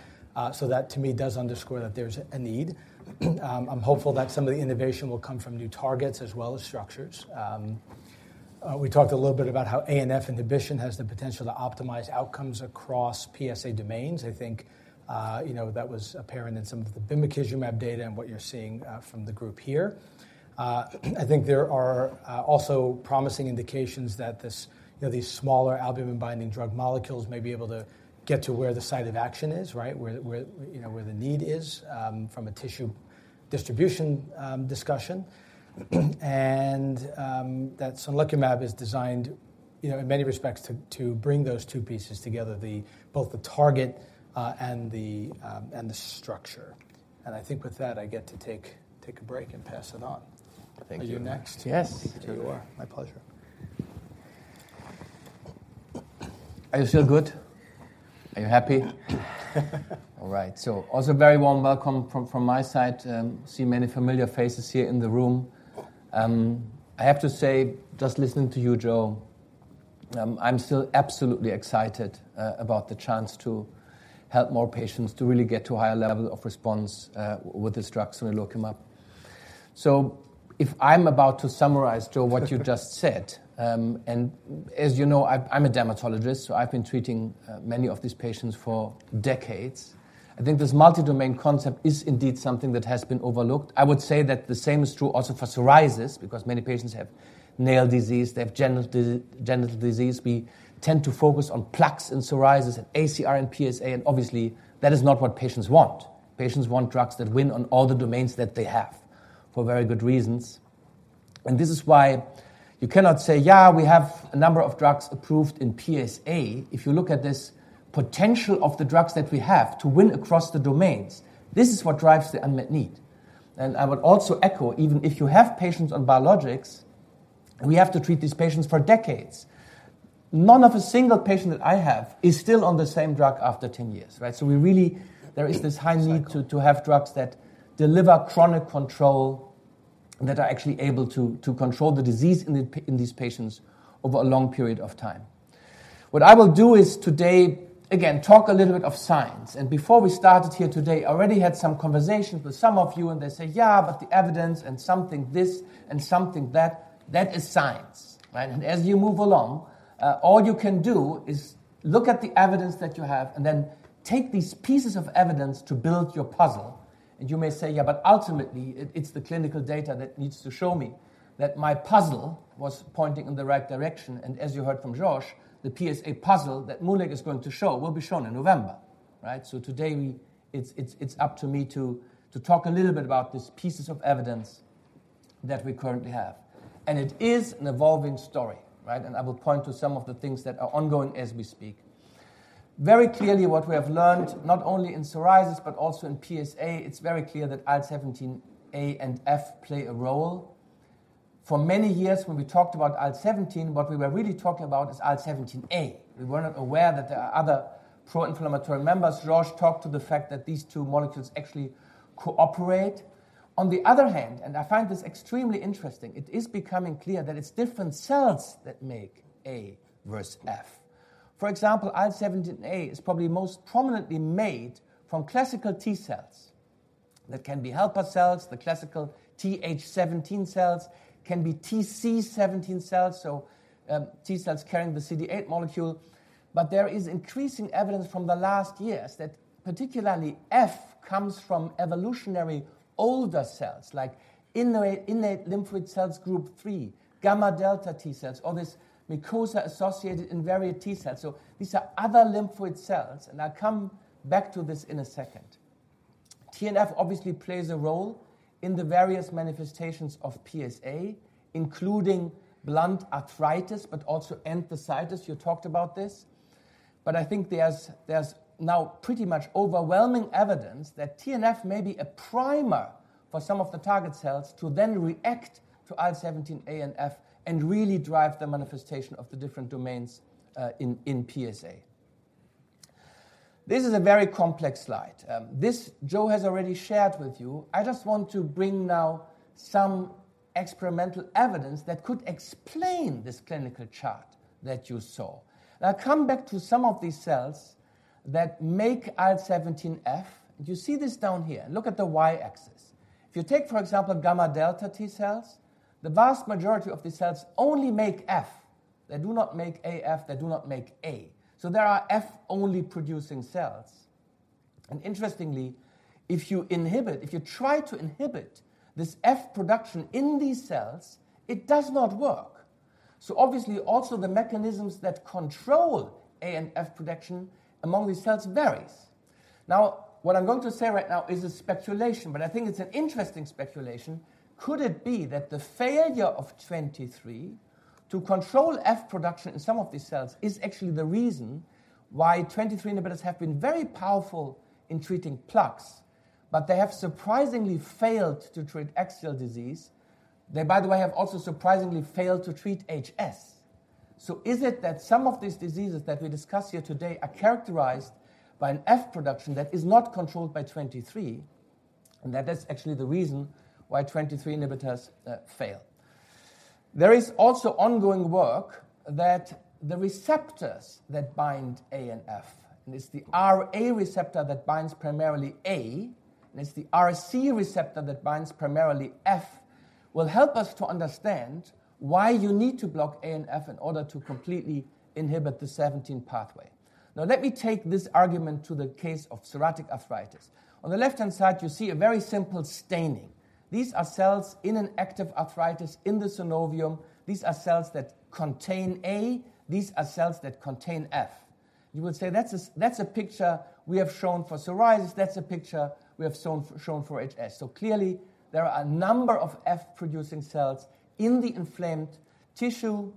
Speaker 2: So that, to me, does underscore that there's a need. I'm hopeful that some of the innovation will come from new targets as well as structures. We talked a little bit about how A and F inhibition has the potential to optimize outcomes across PsA domains. I think, you know, that was apparent in some of the bimekizumab data and what you're seeing from the group here. I think there are also promising indications that this, you know, these smaller albumin-binding drug molecules may be able to get to where the site of action is, right? Where, where, you know, where the need is, from a tissue distribution, discussion. That sonelokimab is designed, you know, in many respects, to bring those two pieces together, both the target and the structure. I think with that, I get to take a break and pass it on.
Speaker 3: Thank you.
Speaker 2: Are you next?
Speaker 3: Yes, you are.
Speaker 2: My pleasure.
Speaker 3: Are you still good? Are you happy? All right. So also very warm welcome from, from my side. See many familiar faces here in the room. I have to say, just listening to you, Joe, I'm still absolutely excited about the chance to help more patients to really get to a higher level of response, with this drug, sonelokimab. So if I'm about to summarize, Joe, what you just said, and as you know, I'm a dermatologist, so I've been treating many of these patients for decades.... I think this multi-domain concept is indeed something that has been overlooked. I would say that the same is true also for psoriasis, because many patients have nail disease, they have genital disease. We tend to focus on plaques and psoriasis, and ACR and PsA, and obviously, that is not what patients want. Patients want drugs that win on all the domains that they have, for very good reasons. And this is why you cannot say, "Yeah, we have a number of drugs approved in PsA." If you look at this potential of the drugs that we have to win across the domains, this is what drives the unmet need. And I would also echo, even if you have patients on biologics, we have to treat these patients for decades. Not a single patient that I have is still on the same drug after 10 years, right? So we really. There is this high need to have drugs that deliver chronic control, that are actually able to control the disease in these patients over a long period of time. What I will do is today, again, talk a little bit of science, and before we started here today, I already had some conversations with some of you, and they say, "Yeah, but the evidence and something this and something that," that is science, right? And as you move along, all you can do is look at the evidence that you have and then take these pieces of evidence to build your puzzle. You may say, "Yeah, but ultimately, it's the clinical data that needs to show me that my puzzle was pointing in the right direction." As you heard from Jorge, the PsA puzzle that MoonLake is going to show will be shown in November, right? So today, it's up to me to talk a little bit about these pieces of evidence that we currently have. And it is an evolving story, right? I will point to some of the things that are ongoing as we speak. Very clearly, what we have learned, not only in psoriasis but also in PsA, it's very clear that IL-17A and IL-17F play a role. For many years, when we talked about IL-17, what we were really talking about is IL-17A. We were not aware that there are other pro-inflammatory members. Jorge talked to the fact that these two molecules actually cooperate. On the other hand, and I find this extremely interesting, it is becoming clear that it's different cells that make A versus F. For example, IL-17A is probably most prominently made from classical T cells. That can be helper cells, the classical Th17 cells, can be Tc17 cells, so, T cells carrying the CD8 molecule. But there is increasing evidence from the last years that particularly F comes from evolutionary older cells, like innate lymphoid cells group 3, gamma delta T cells, or this mucosa-associated invariant T cells. So these are other lymphoid cells, and I come back to this in a second. TNF obviously plays a role in the various manifestations of PsA, including blunt arthritis, but also enthesitis. You talked about this. But I think there's now pretty much overwhelming evidence that TNF may be a primer for some of the target cells to then react to IL-17A and IL-17F and really drive the manifestation of the different domains in PsA. This is a very complex slide. This, Joe has already shared with you. I just want to bring now some experimental evidence that could explain this clinical chart that you saw. Now, come back to some of these cells that make IL-17F. You see this down here. Look at the Y-axis. If you take, for example, gamma delta T cells, the vast majority of these cells only make F. They do not make AF, they do not make A. So there are F-only producing cells. And interestingly, if you try to inhibit this F production in these cells, it does not work. So obviously, also the mechanisms that control A and F production among these cells varies. Now, what I'm going to say right now is a speculation, but I think it's an interesting speculation. Could it be that the failure of 23 to control F production in some of these cells is actually the reason why 23 inhibitors have been very powerful in treating plaques, but they have surprisingly failed to treat axial disease? They, by the way, have also surprisingly failed to treat HS. So is it that some of these diseases that we discuss here today are characterized by an F production that is not controlled by 23, and that is actually the reason why 23 inhibitors fail? There is also ongoing work that the receptors that bind A and F, and it's the RA receptor that binds primarily A, and it's the RC receptor that binds primarily F, will help us to understand why you need to block A and F in order to completely inhibit the 17 pathway. Now, let me take this argument to the case of psoriatic arthritis. On the left-hand side, you see a very simple staining. These are cells in an active arthritis in the synovium. These are cells that contain A. These are cells that contain F. You will say, "That's a, that's a picture we have shown for psoriasis. That's a picture we have shown, shown for HS. So clearly, there are a number of F-producing cells in the inflamed tissue,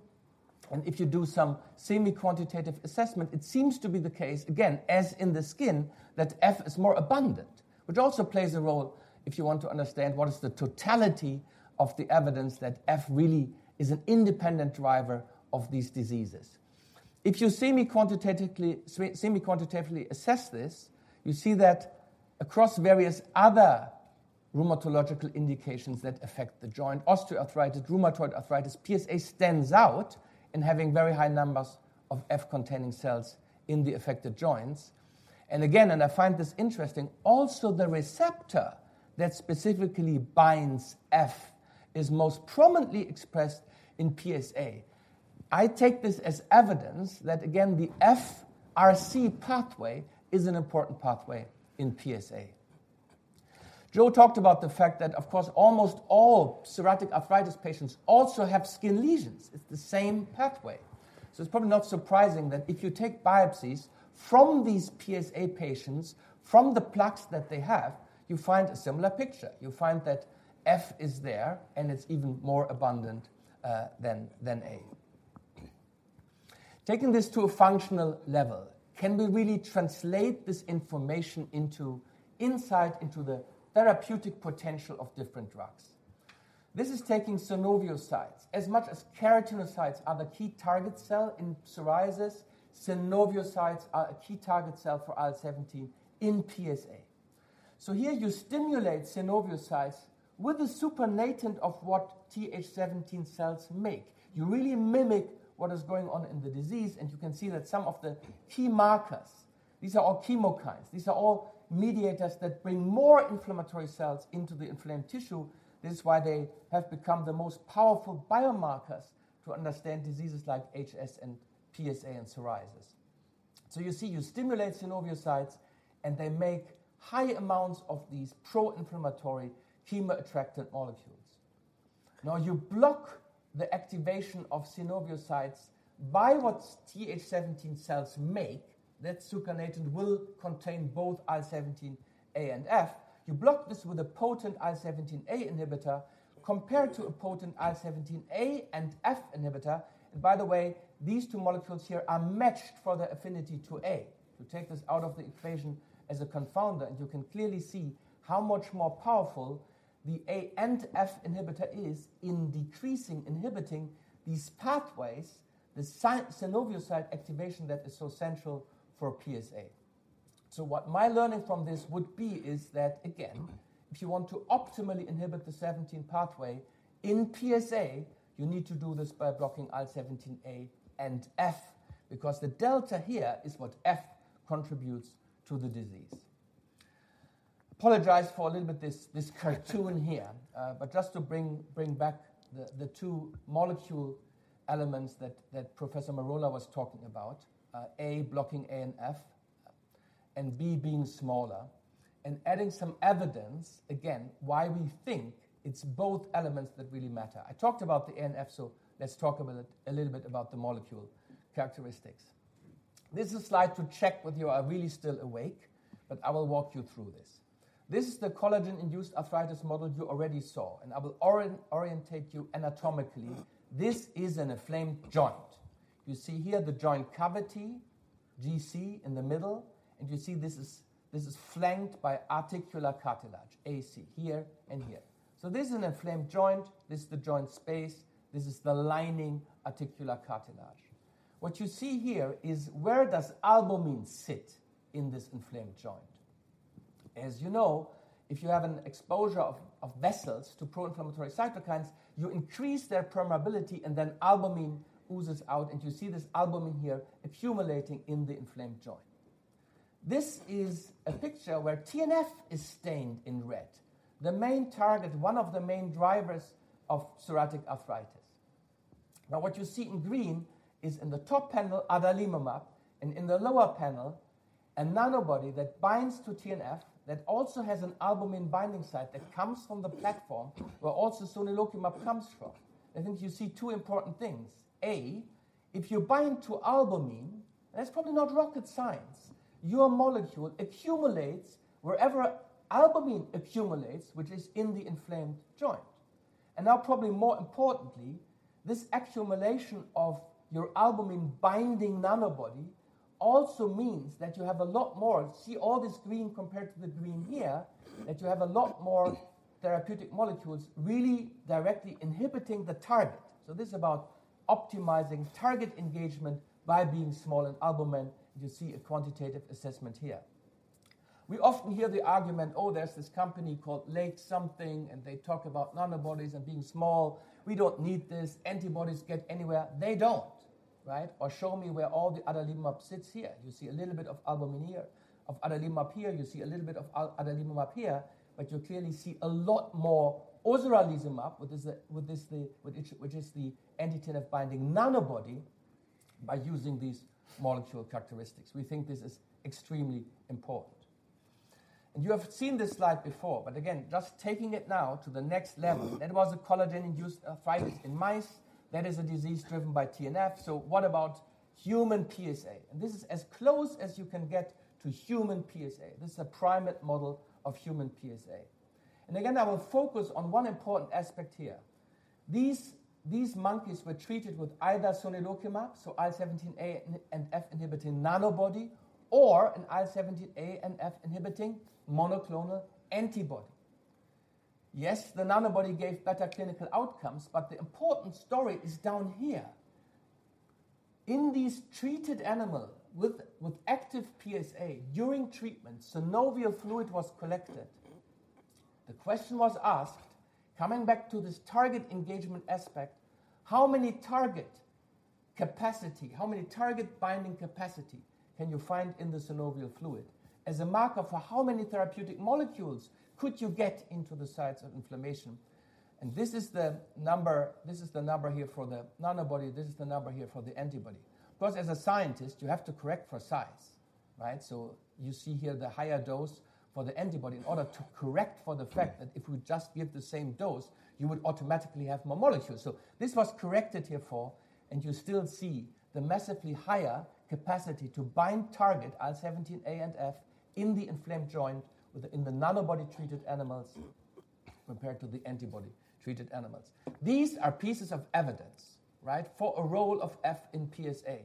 Speaker 3: and if you do some semi-quantitative assessment, it seems to be the case, again, as in the skin, that F is more abundant, which also plays a role if you want to understand what is the totality of the evidence that F really is an independent driver of these diseases. If you semi-quantitically--semi-quantitatively assess this, you see that across various other rheumatological indications that affect the joint, osteoarthritis, rheumatoid arthritis, PsA stands out in having very high numbers of F-containing cells in the affected joints. And again, and I find this interesting, also the receptor that specifically binds F...... is most prominently expressed in PsA. I take this as evidence that, again, the FRC pathway is an important pathway in PsA. Joe talked about the fact that, of course, almost all psoriatic arthritis patients also have skin lesions. It's the same pathway. So it's probably not surprising that if you take biopsies from these PsA patients, from the plaques that they have, you find a similar picture. You find that F is there, and it's even more abundant than A. Taking this to a functional level, can we really translate this information into insight into the therapeutic potential of different drugs? This is taking synoviocytes. As much as keratinocytes are the key target cell in psoriasis, synoviocytes are a key target cell for IL-17 in PsA. So here you stimulate synoviocytes with a supernatant of what Th17 cells make. You really mimic what is going on in the disease, and you can see that some of the key markers. These are all chemokines. These are all mediators that bring more inflammatory cells into the inflamed tissue. This is why they have become the most powerful biomarkers to understand diseases like HS and PsA and psoriasis. So you see, you stimulate synoviocytes, and they make high amounts of these pro-inflammatory chemoattractant molecules. Now, you block the activation of synoviocytes by what Th17 cells make. That supernatant will contain both IL-17A and IL-17F. You block this with a potent IL-17A inhibitor, compared to a potent IL-17A and IL-17F inhibitor. And by the way, these two molecules here are matched for their affinity to A. You take this out of the equation as a confounder, and you can clearly see how much more powerful the A and F inhibitor is in decreasing, inhibiting these pathways, the synoviocyte activation that is so central for PsA. So what my learning from this would be is that, again, if you want to optimally inhibit the 17 pathway in PsA, you need to do this by blocking IL-17A and IL-17F, because the delta here is what F contributes to the disease. Apologize for a little bit, this cartoon here, but just to bring back the two molecule elements that Professor Merola was talking about. A, blocking A and F, and B being smaller and adding some evidence, again, why we think it's both elements that really matter. I talked about the A and F, so let's talk about it a little bit about the molecule characteristics. This is a slide to check whether you are really still awake, but I will walk you through this. This is the collagen-induced arthritis model you already saw, and I will orientate you anatomically. This is an inflamed joint. You see here the joint cavity, GC, in the middle, and you see this is flanked by articular cartilage, AC, here and here. So this is an inflamed joint. This is the joint space. This is the lining articular cartilage. What you see here is where does albumin sit in this inflamed joint? As you know, if you have an exposure of, of vessels to pro-inflammatory cytokines, you increase their permeability, and then albumin oozes out, and you see this albumin here accumulating in the inflamed joint. This is a picture where TNF is stained in red, the main target, one of the main drivers of psoriatic arthritis. Now, what you see in green is in the top panel, adalimumab, and in the lower panel, a Nanobody that binds to TNF that also has an albumin binding site that comes from the platform where also sonelokimab comes from. I think you see two important things. A, if you bind to albumin, that's probably not rocket science. Your molecule accumulates wherever albumin accumulates, which is in the inflamed joint. And now, probably more importantly, this accumulation of your albumin-binding Nanobody also means that you have a lot more... See all this green compared to the green here, that you have a lot more therapeutic molecules really directly inhibiting the target. So this is about optimizing target engagement by being small in albumin. You see a quantitative assessment here. We often hear the argument, "Oh, there's this company called Lake something, and they talk about Nanobodies and being small. We don't need this. "Antibodies get anywhere." They don't, right? Or show me where all the adalimumab sits here. You see a little bit of albumin here, of adalimumab here. You see a little bit of adalimumab here, but you clearly see a lot more ozoralizumab, which is the antigen-binding Nanobody by using these molecular characteristics. We think this is extremely important. You have seen this slide before, but again, just taking it now to the next level. That was a collagen-induced arthritis in mice. That is a disease driven by TNF. So what about human PsA? This is as close as you can get to human PsA. This is a primate model of human PsA. Again, I will focus on one important aspect here. These monkeys were treated with either sonelokimab, so IL-17A and IL-17F inhibiting Nanobody, or an IL-17A and IL-17F inhibiting monoclonal antibody. Yes, the Nanobody gave better clinical outcomes, but the important story is down here. In these treated animal with active PsA, during treatment, synovial fluid was collected. The question was asked, coming back to this target engagement aspect, how many target binding capacity can you find in the synovial fluid? As a marker for how many therapeutic molecules could you get into the sites of inflammation. And this is the number, this is the number here for the Nanobody. This is the number here for the antibody. Because as a scientist, you have to correct for size, right? So you see here the higher dose for the antibody in order to correct for the fact that if we just give the same dose, you would automatically have more molecules. So this was corrected here for, and you still see the massively higher capacity to bind target IL-17A and IL-17F in the inflamed joint with the, in the Nanobody-treated animals compared to the antibody-treated animals. These are pieces of evidence, right, for a role of F in PsA,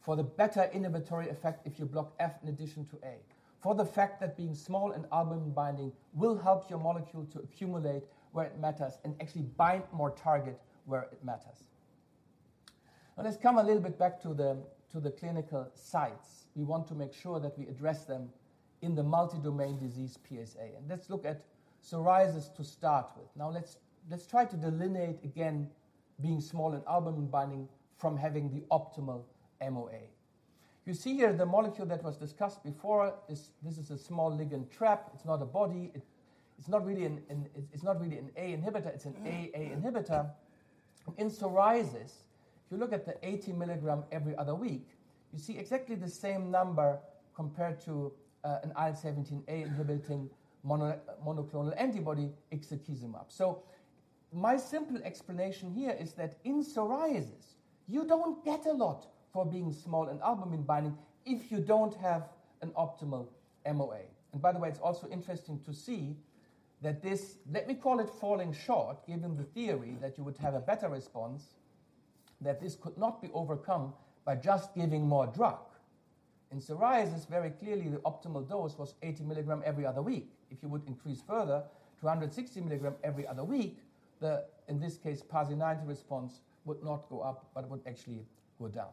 Speaker 3: for the better inhibitory effect if you block F in addition to A, for the fact that being small and albumin binding will help your molecule to accumulate where it matters and actually bind more target where it matters. Now, let's come a little bit back to the, to the clinical sites. We want to make sure that we address them in the multi-domain disease PsA, and let's look at psoriasis to start with. Now, let's try to delineate again, being small and albumin binding from having the optimal MoA. You see here the molecule that was discussed before is... This is a small ligand trap. It's not a body. It's not really an A inhibitor. It's an AA inhibitor. In psoriasis, if you look at the 80 mg every other week, you see exactly the same number compared to an IL-17A inhibiting monoclonal antibody ixekizumab. So my simple explanation here is that in psoriasis, you don't get a lot for being small and albumin binding if you don't have an optimal MoA. By the way, it's also interesting to see that this, let me call it falling short, given the theory that you would have a better response, that this could not be overcome by just giving more drug. In psoriasis, very clearly, the optimal dose was 80 mg every other week. If you would increase further to 160 mg every other week, the, in this case, PASI 90 response would not go up, but it would actually go down.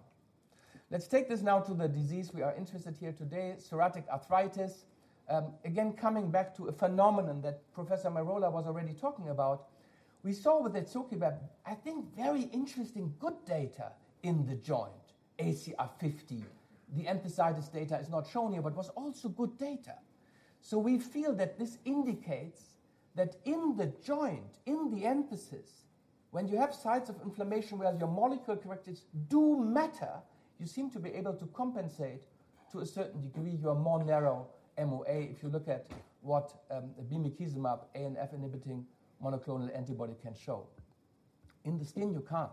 Speaker 3: Let's take this now to the disease we are interested here today, psoriatic arthritis. Again, coming back to a phenomenon that Professor Merola was already talking about, we saw with the izokibep, I think, very interesting, good data in the joint, ACR50. The enthesitis data is not shown here, but was also good data. So we feel that this indicates that in the joint, in the enthesis, when you have sites of inflammation where your molecule characteristics do matter, you seem to be able to compensate to a certain degree your more narrow MoA, if you look at what the bimekizumab A and F inhibiting monoclonal antibody can show. In the skin, you can't,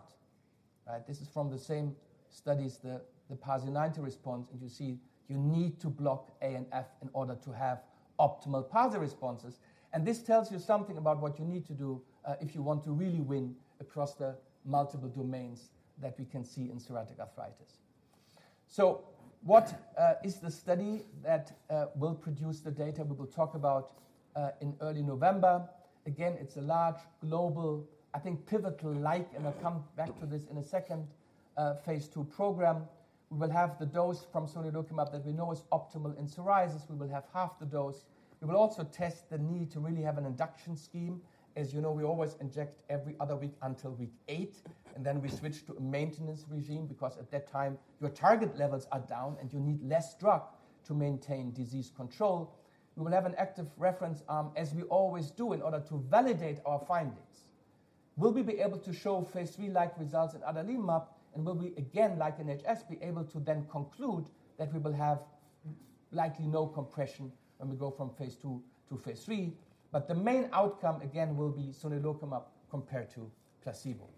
Speaker 3: right? This is from the same studies, the PASI 90 response, and you see you need to block A and F in order to have optimal PASI responses. And this tells you something about what you need to do if you want to really win across the multiple domains that we can see in psoriatic arthritis. So what is the study that will produce the data we will talk about in early November? Again, it's a large global, I think, pivotal like, and I'll come back to this in a second, phase II program. We will have the dose from sonelokimab that we know is optimal in psoriasis. We will have half the dose. We will also test the need to really have an induction scheme. As you know, we always inject every other week until week 8, and then we switch to a maintenance regimen, because at that time, your target levels are down, and you need less drug to maintain disease control. We will have an active reference arm, as we always do, in order to validate our findings. Will we be able to show phase III-like results in adalimumab, and will we, again, like in HS, be able to then conclude that we will have likely no compression when we go from phase II to phase III? But the main outcome, again, will be sonelokimab compared to placebo.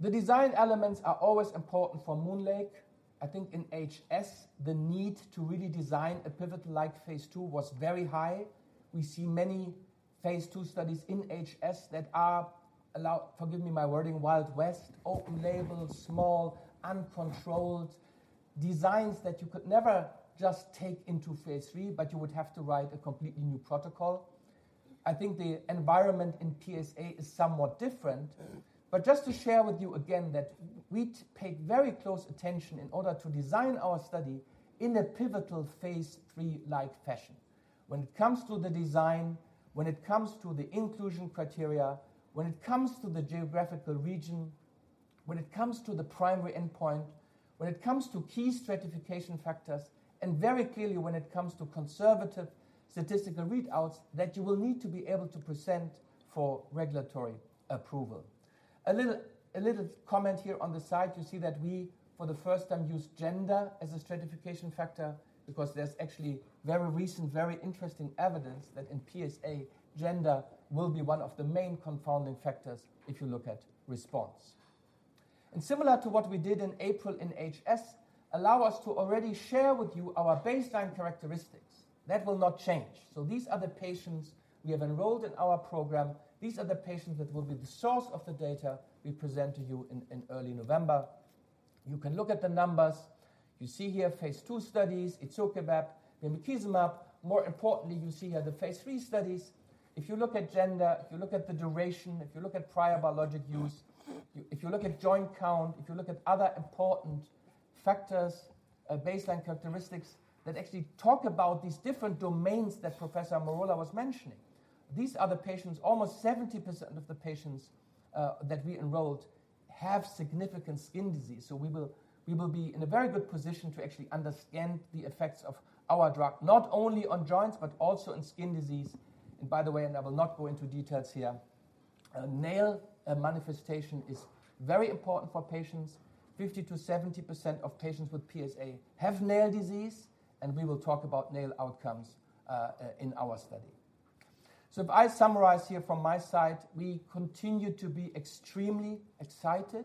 Speaker 3: The design elements are always important for MoonLake. I think in HS, the need to really design a pivotal like phase II was very high. We see many phase II studies in HS that are—forgive me, my wording—Wild West, open label, small, uncontrolled designs that you could never just take into phase III, but you would have to write a completely new protocol. I think the environment in PsA is somewhat different, but just to share with you again that we paid very close attention in order to design our study in a pivotal phase III-like fashion. When it comes to the design, when it comes to the inclusion criteria, when it comes to the geographical region, when it comes to the primary endpoint, when it comes to key stratification factors, and very clearly, when it comes to conservative statistical readouts that you will need to be able to present for regulatory approval. A little, a little comment here on the side, you see that we, for the first time, use gender as a stratification factor because there's actually very recent, very interesting evidence that in PsA, gender will be one of the main confounding factors if you look at response. And similar to what we did in April in HS, allow us to already share with you our baseline characteristics. That will not change. So these are the patients we have enrolled in our program. These are the patients that will be the source of the data we present to you in, in early November. You can look at the numbers. You see here, phase II studies, izokibep, bimekizumab. More importantly, you see here the phase III studies. If you look at gender, if you look at the duration, if you look at prior biologic use, if you look at joint count, if you look at other important factors, baseline characteristics that actually talk about these different domains that Professor Merola was mentioning. These are the patients, almost 70% of the patients, that we enrolled have significant skin disease. So we will, we will be in a very good position to actually understand the effects of our drug, not only on joints, but also in skin disease. And by the way, and I will not go into details here, nail manifestation is very important for patients. 50%-70% of patients with PsA have nail disease, and we will talk about nail outcomes in our study. So if I summarize here from my side, we continue to be extremely excited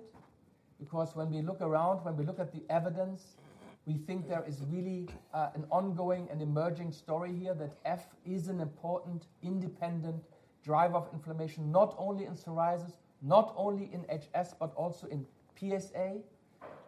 Speaker 3: because when we look around, when we look at the evidence, we think there is really an ongoing and emerging story here that F is an important independent driver of inflammation, not only in psoriasis, not only in HS, but also in PsA.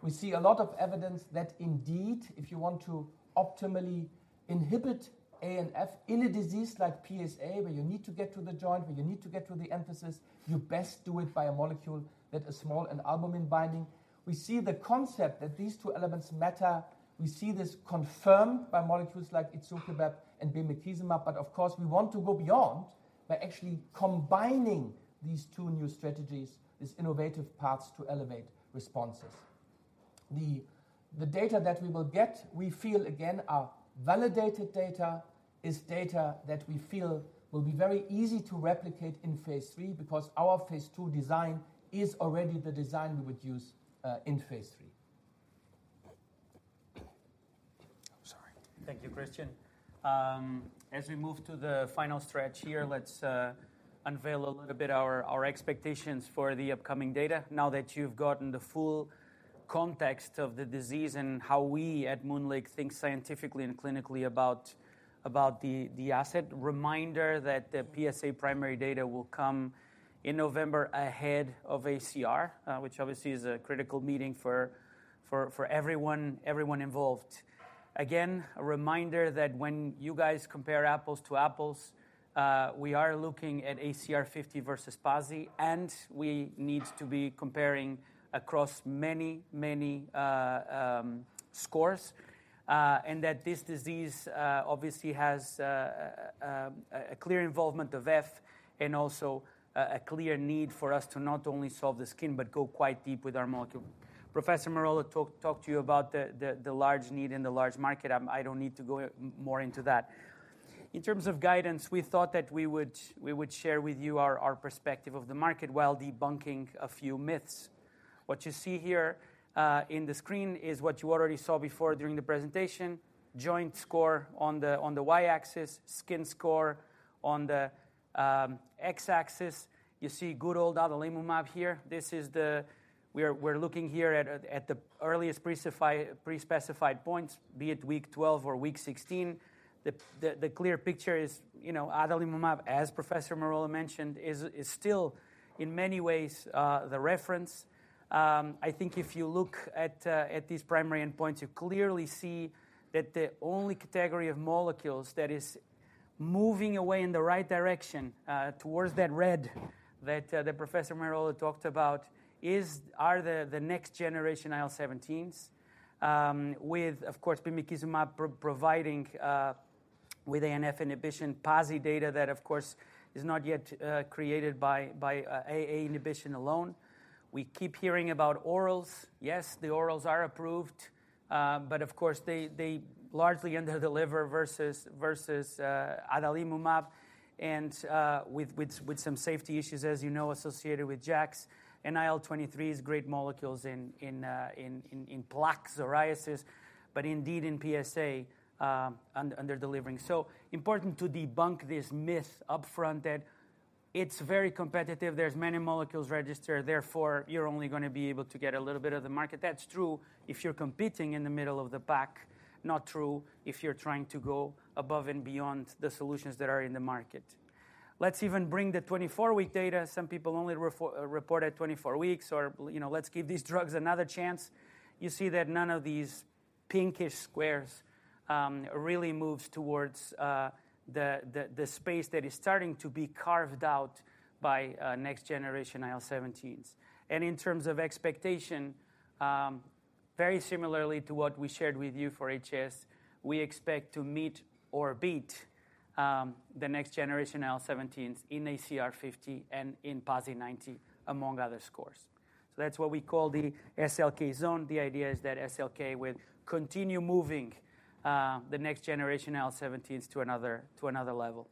Speaker 3: We see a lot of evidence that indeed, if you want to optimally inhibit IL-17A and IL-17F in a disease like PsA, where you need to get to the joint, where you need to get to the enthesis, you best do it by a molecule that is small and albumin binding. We see the concept that these two elements matter. We see this confirmed by molecules like izokibep and bimekizumab, but of course, we want to go beyond by actually combining these two new strategies, these innovative paths, to elevate responses. The data that we will get, we feel again, are validated data, is data that we feel will be very easy to replicate in phase III, because our phase II design is already the design we would use in phase III. Sorry.
Speaker 1: Thank you, Kristian. As we move to the final stretch here, let's unveil a little bit our expectations for the upcoming data. Now that you've gotten the full context of the disease and how we at MoonLake think scientifically and clinically about the asset. Reminder that the PsA primary data will come in November ahead of ACR, which obviously is a critical meeting for everyone involved. Again, a reminder that when you guys compare apples to apples, we are looking at ACR50 versus PASI, and we need to be comparing across many, many scores. And that this disease obviously has a clear involvement of F and also a clear need for us to not only solve the skin, but go quite deep with our molecule. Professor Merola talked to you about the large need and the large market. I don't need to go more into that. In terms of guidance, we thought that we would share with you our perspective of the market while debunking a few myths. What you see here in the screen is what you already saw before during the presentation. Joint score on the y-axis, skin score on the x-axis. You see good old adalimumab here. This is the... We're looking here at the earliest pre-specified points, be it week 12 or week 16. The clear picture is, you know, adalimumab, as Professor Merola mentioned, is still in many ways the reference. I think if you look at these primary endpoints, you clearly see that the only category of molecules that is moving away in the right direction towards that red that Professor Merola talked about are the next generation IL-17s. With, of course, bimekizumab providing IL-17A/F inhibition PASI data that, of course, is not yet created by IL-17A inhibition alone. We keep hearing about orals. Yes, the orals are approved, but of course, they largely underdeliver versus adalimumab and with some safety issues, as you know, associated with JAKs. And IL-23s, great molecules in plaque psoriasis, but indeed in PsA, underdelivering. So important to debunk this myth upfront, that it's very competitive. There's many molecules registered, therefore, you're only gonna be able to get a little bit of the market. That's true if you're competing in the middle of the pack. Not true if you're trying to go above and beyond the solutions that are in the market. Let's even bring the 24-week data. Some people only reported 24 weeks or, you know, let's give these drugs another chance. You see that none of these pinkish squares really moves towards the space that is starting to be carved out by next generation IL-17s. And in terms of expectation, very similarly to what we shared with you for HS, we expect to meet or beat the next generation IL-17s in ACR50 and in PASI 90, among other scores. So that's what we call the SLK zone. The idea is that SLK will continue moving the next generation IL-seventeens to another level.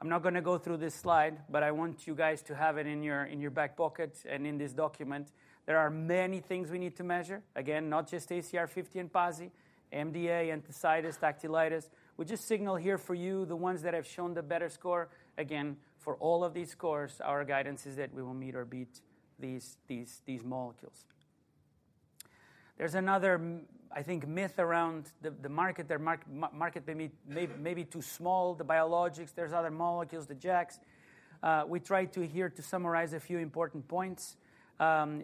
Speaker 1: I'm not gonna go through this slide, but I want you guys to have it in your back pocket and in this document. There are many things we need to measure. Again, not just ACR50 and PASI, MDA, enthesitis, dactylitis. We just signal here for you the ones that have shown the better score. Again, for all of these scores, our guidance is that we will meet or beat these molecules. There's another myth, I think, around the market. The market may be too small, the biologics, there's other molecules, the JAKs. We tried here to summarize a few important points. You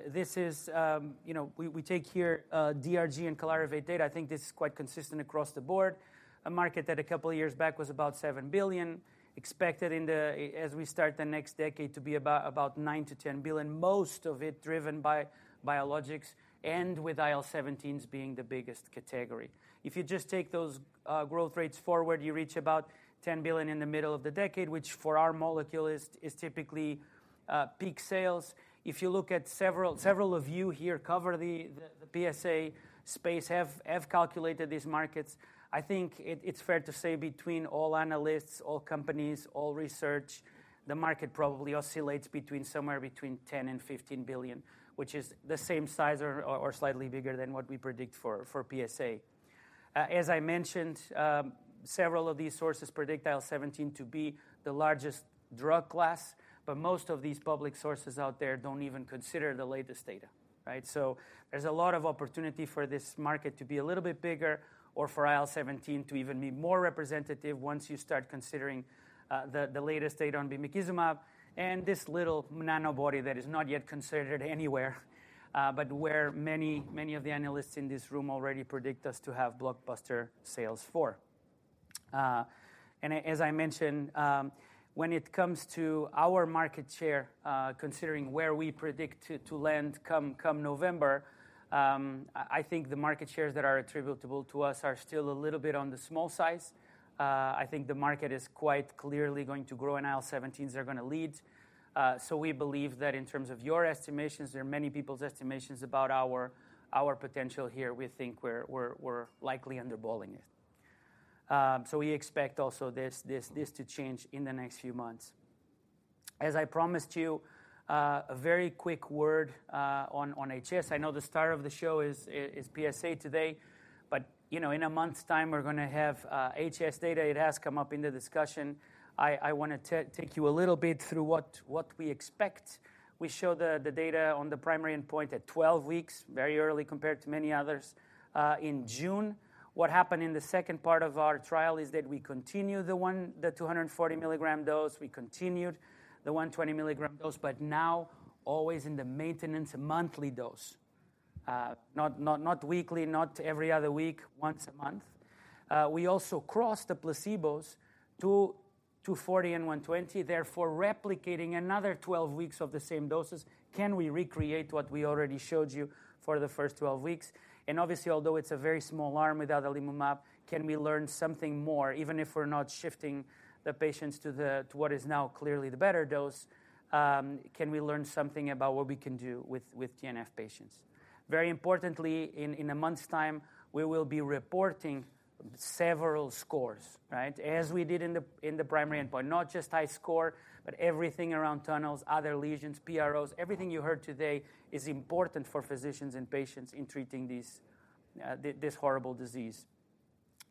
Speaker 1: know, we take here DRG and Clarivate data. I think this is quite consistent across the board. A market that a couple of years back was about $7 billion, expected in the, as we start the next decade, to be about $9 billion-$10 billion, most of it driven by biologics and with IL-17s being the biggest category. If you just take those growth rates forward, you reach about $10 billion in the middle of the decade, which for our molecule is typically peak sales. If you look at several of you here cover the PsA space, have calculated these markets. I think it's fair to say between all analysts, all companies, all research, the market probably oscillates between somewhere between $10 billion-$15 billion, which is the same size or slightly bigger than what we predict for PsA. As I mentioned, several of these sources predict IL-17 to be the largest drug class, but most of these public sources out there don't even consider the latest data, right? So there's a lot of opportunity for this market to be a little bit bigger or for IL-17 to even be more representative once you start considering the latest data on bimekizumab, and this little Nanobody that is not yet considered anywhere, but where many, many of the analysts in this room already predict us to have blockbuster sales for. As I mentioned, when it comes to our market share, considering where we predict to land come November, I think the market shares that are attributable to us are still a little bit on the small size. I think the market is quite clearly going to grow, and IL-17s are gonna lead. So we believe that in terms of your estimations, there are many people's estimations about our potential here. We think we're likely underballing it. So we expect also this to change in the next few months. As I promised you, a very quick word on HS. I know the star of the show is PsA today, but you know, in a month's time, we're gonna have HS data. It has come up in the discussion. I wanna take you a little bit through what we expect. We show the data on the primary endpoint at 12 weeks, very early compared to many others, in June. What happened in the second part of our trial is that we continued the 240 mg dose. We continued the 120 mg dose, but now always in the maintenance monthly dose. Not weekly, not every other week, once a month. We also crossed the placebos to 240 mg and 120 mg, therefore replicating another 12 weeks of the same doses. Can we recreate what we already showed you for the first 12 weeks? And obviously, although it's a very small arm with adalimumab, can we learn something more, even if we're not shifting the patients to what is now clearly the better dose, can we learn something about what we can do with TNF patients? Very importantly, in a month's time, we will be reporting several scores, right? As we did in the primary endpoint, not just HiSCR, but everything around tunnels, other lesions, PROs. Everything you heard today is important for physicians and patients in treating this this horrible disease.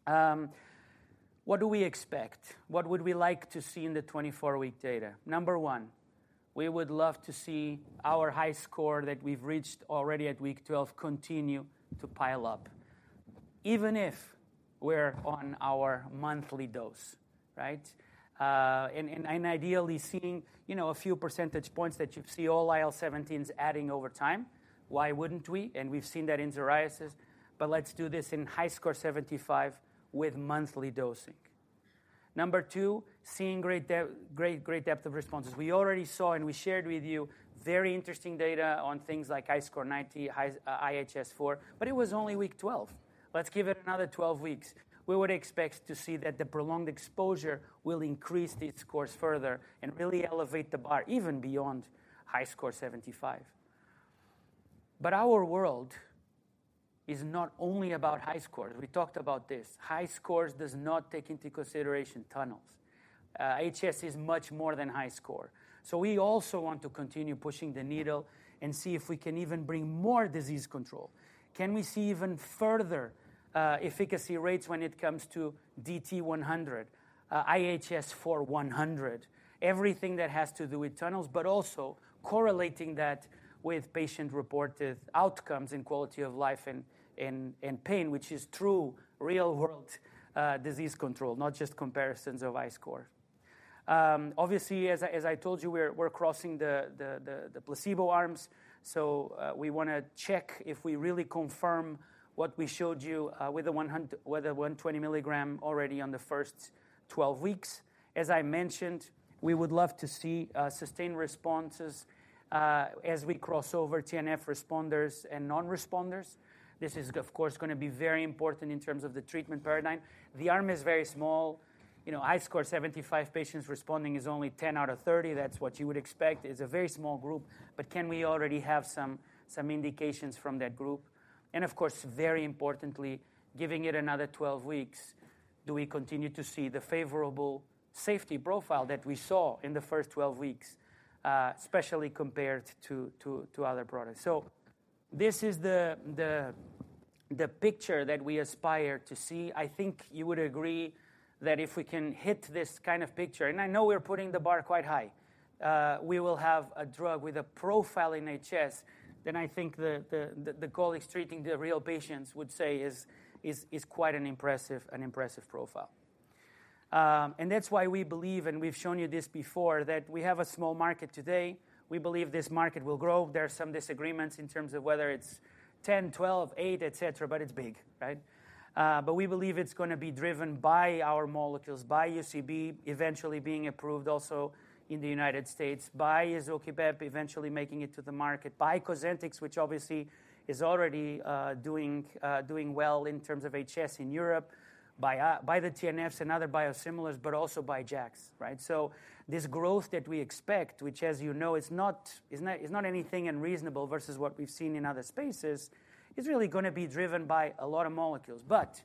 Speaker 1: What do we expect? What would we like to see in the 24-week data? Number one, we would love to see our HiSCR that we've reached already at week 12 continue to pile up, even if we're on our monthly dose, right? And ideally seeing, you know, a few percentage points that you see all IL-17s adding over time. Why wouldn't we? And we've seen that in psoriasis, but let's do this in HiSCR75 with monthly dosing. Number two, seeing great great depth of responses. We already saw, and we shared with you very interesting data on things like HiSCR90, HiSCR, IHS4, but it was only week 12. Let's give it another 12 weeks. We would expect to see that the prolonged exposure will increase these scores further and really elevate the bar even beyond HiSCR75. But our world is not only about HiSCRs. We talked about this. HiSCR does not take into consideration tunnels. HS is much more than HiSCR. So we also want to continue pushing the needle and see if we can even bring more disease control. Can we see even further efficacy rates when it comes to DT100, IHS4-100, everything that has to do with tunnels, but also correlating that with patient-reported outcomes and quality of life and pain, which is true real-world disease control, not just comparisons of HiSCR. Obviously, as I told you, we're crossing the placebo arms, so we wanna check if we really confirm what we showed you with the 120 mg already on the first 12 weeks. As I mentioned, we would love to see sustained responses as we cross over TNF responders and non-responders. This is, of course, gonna be very important in terms of the treatment paradigm. The arm is very small. You know, HiSCR75 patients responding is only 10 out of 30. That's what you would expect. It's a very small group, but can we already have some indications from that group? And of course, very importantly, giving it another 12 weeks, do we continue to see the favorable safety profile that we saw in the first 12 weeks, especially compared to other products? So this is the picture that we aspire to see. I think you would agree that if we can hit this kind of picture, and I know we're putting the bar quite high, we will have a drug with a profile in HS, then I think the colleagues treating the real patients would say is quite an impressive profile. And that's why we believe, and we've shown you this before, that we have a small market today. We believe this market will grow. There are some disagreements in terms of whether it's 10, 12, 8, et cetera, but it's big, right? But we believe it's gonna be driven by our molecules, by UCB eventually being approved also in the United States, by izokibep eventually making it to the market, by Cosentyx, which obviously is already doing well in terms of HS in Europe, by the TNFs and other biosimilars, but also by JAKs, right? So this growth that we expect, which, as you know, is not anything unreasonable versus what we've seen in other spaces, is really gonna be driven by a lot of molecules. But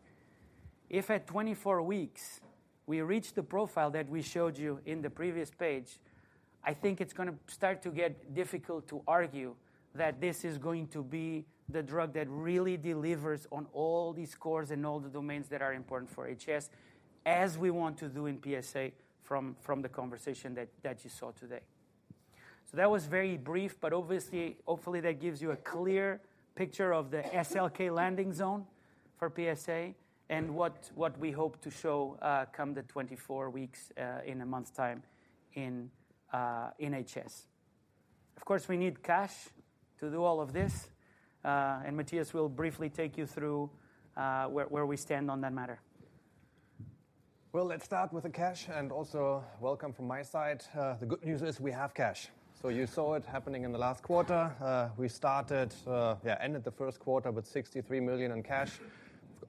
Speaker 1: if at 24 weeks we reach the profile that we showed you in the previous page, I think it's gonna start to get difficult to argue that this is going to be the drug that really delivers on all these scores and all the domains that are important for HS, as we want to do in PsA from the conversation that you saw today. So that was very brief, but obviously, hopefully, that gives you a clear picture of the SLK landing zone for PsA and what we hope to show come the 24 weeks in a month's time in HS. Of course, we need cash to do all of this, and Matthias will briefly take you through where we stand on that matter.
Speaker 4: Well, let's start with the cash, and also welcome from my side. The good news is we have cash. So you saw it happening in the last quarter. We started, ended the first quarter with $63 million in cash.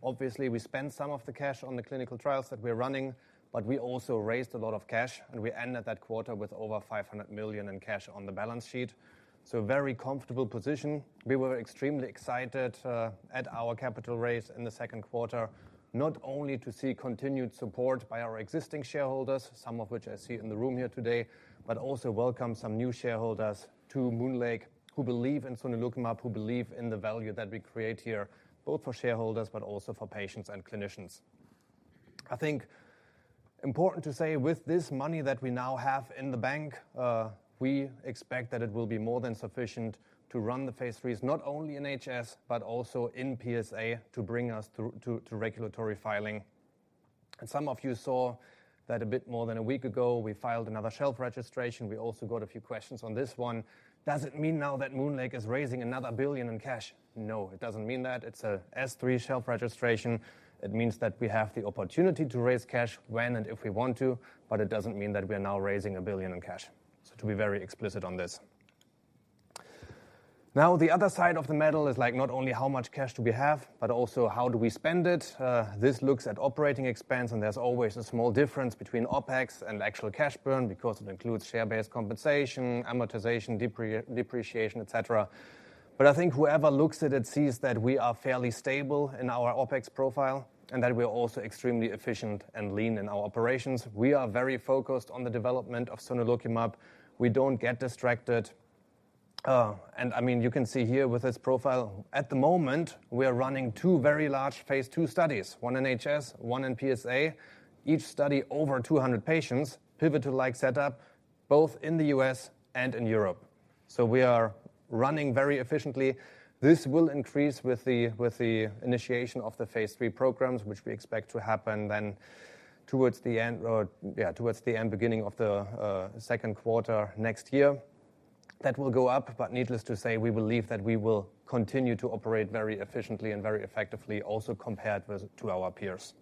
Speaker 4: Obviously, we spent some of the cash on the clinical trials that we're running, but we also raised a lot of cash, and we ended that quarter with over $500 million in cash on the balance sheet. So a very comfortable position. We were extremely excited, at our capital raise in the second quarter, not only to see continued support by our existing shareholders, some of which I see in the room here today, but also welcome some new shareholders to MoonLake who believe in sonelokimab, who believe in the value that we create here, both for shareholders but also for patients and clinicians. I think important to say, with this money that we now have in the bank, we expect that it will be more than sufficient to run the phase IIIs, not only in HS, but also in PsA, to bring us through to, to regulatory filing. Some of you saw that a bit more than a week ago, we filed another shelf registration. We also got a few questions on this one. Does it mean now that MoonLake is raising another $1 billion in cash? No, it doesn't mean that. It's a S-3 shelf registration. It means that we have the opportunity to raise cash when and if we want to, but it doesn't mean that we are now raising a $1 billion in cash. So to be very explicit on this. Now, the other side of the medal is like, not only how much cash do we have, but also how do we spend it? This looks at operating expense, and there's always a small difference between OpEx and actual cash burn because it includes share-based compensation, amortization, depreciation, et cetera. But I think whoever looks at it sees that we are fairly stable in our OpEx profile and that we are also extremely efficient and lean in our operations. We are very focused on the development of sonelokimab. We don't get distracted. And I mean, you can see here with this profile, at the moment, we are running two very large phase II studies, one in HS, one in PsA. Each study over 200 patients, pivotal like setup, both in the U.S. and in Europe. So we are running very efficiently. This will increase with the initiation of the phase III programs, which we expect to happen then towards the end, yeah, towards the end, beginning of the second quarter next year. That will go up, but needless to say, we believe that we will continue to operate very efficiently and very effectively, also compared with to our peers.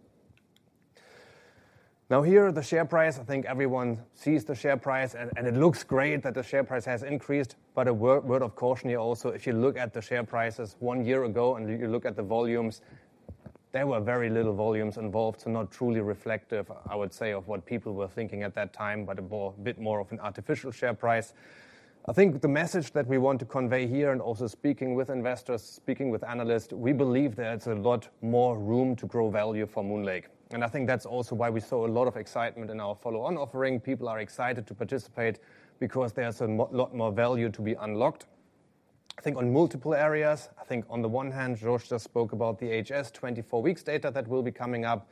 Speaker 4: Now, here, the share price. I think everyone sees the share price, and it looks great that the share price has increased. But a word of caution here also, if you look at the share prices one year ago, and you look at the volumes, there were very little volumes involved, so not truly reflective, I would say, of what people were thinking at that time, but a bit more of an artificial share price. I think the message that we want to convey here and also speaking with investors, speaking with analysts, we believe there's a lot more room to grow value for MoonLake. And I think that's also why we saw a lot of excitement in our follow-on offering. People are excited to participate because there's a lot, lot more value to be unlocked, I think, on multiple areas. I think on the one hand, Jorge just spoke about the HS 24 weeks data that will be coming up.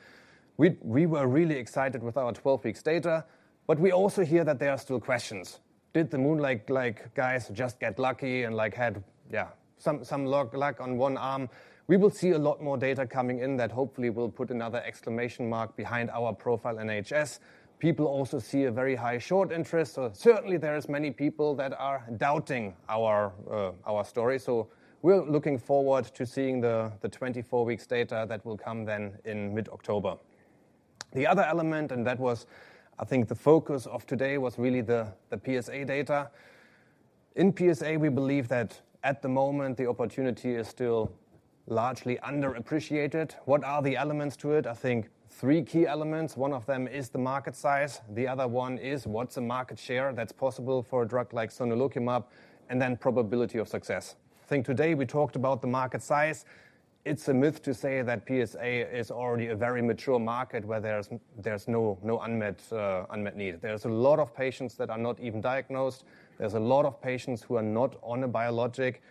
Speaker 4: We were really excited with our 12 weeks data, but we also hear that there are still questions. Did the MoonLake, like, guys just get lucky and, like, had yeah some luck on one arm? We will see a lot more data coming in that hopefully will put another exclamation mark behind our profile in HS. People also see a very high short interest. So certainly, there is many people that are doubting our our story. So we're looking forward to seeing the 24 weeks data that will come then in mid-October. The other element, and that was, I think, the focus of today, was really the PsA data. In PsA, we believe that at the moment, the opportunity is still largely underappreciated. What are the elements to it? I think three key elements. One of them is the market size, the other one is what's the market share that's possible for a drug like sonelokimab, and then probability of success. I think today we talked about the market size. It's a myth to say that PsA is already a very mature market where there's no unmet need. There's a lot of patients that are not even diagnosed. There's a lot of patients who are not on a biologic, and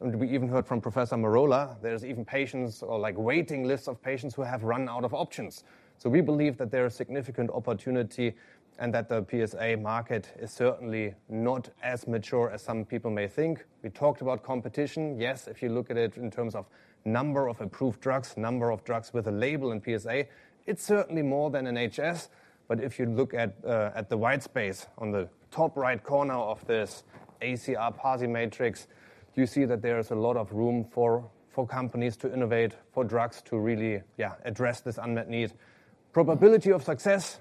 Speaker 4: we even heard from Professor Merola. There's even patients or, like, waiting lists of patients who have run out of options. So we believe that there are significant opportunity, and that the PsA market is certainly not as mature as some people may think. We talked about competition. Yes, if you look at it in terms of number of approved drugs, number of drugs with a label in PsA, it's certainly more than in HS. But if you look at at the white space on the top right corner of this ACR PASI matrix, you see that there is a lot of room for companies to innovate, for drugs to really, yeah, address this unmet need. Probability of success,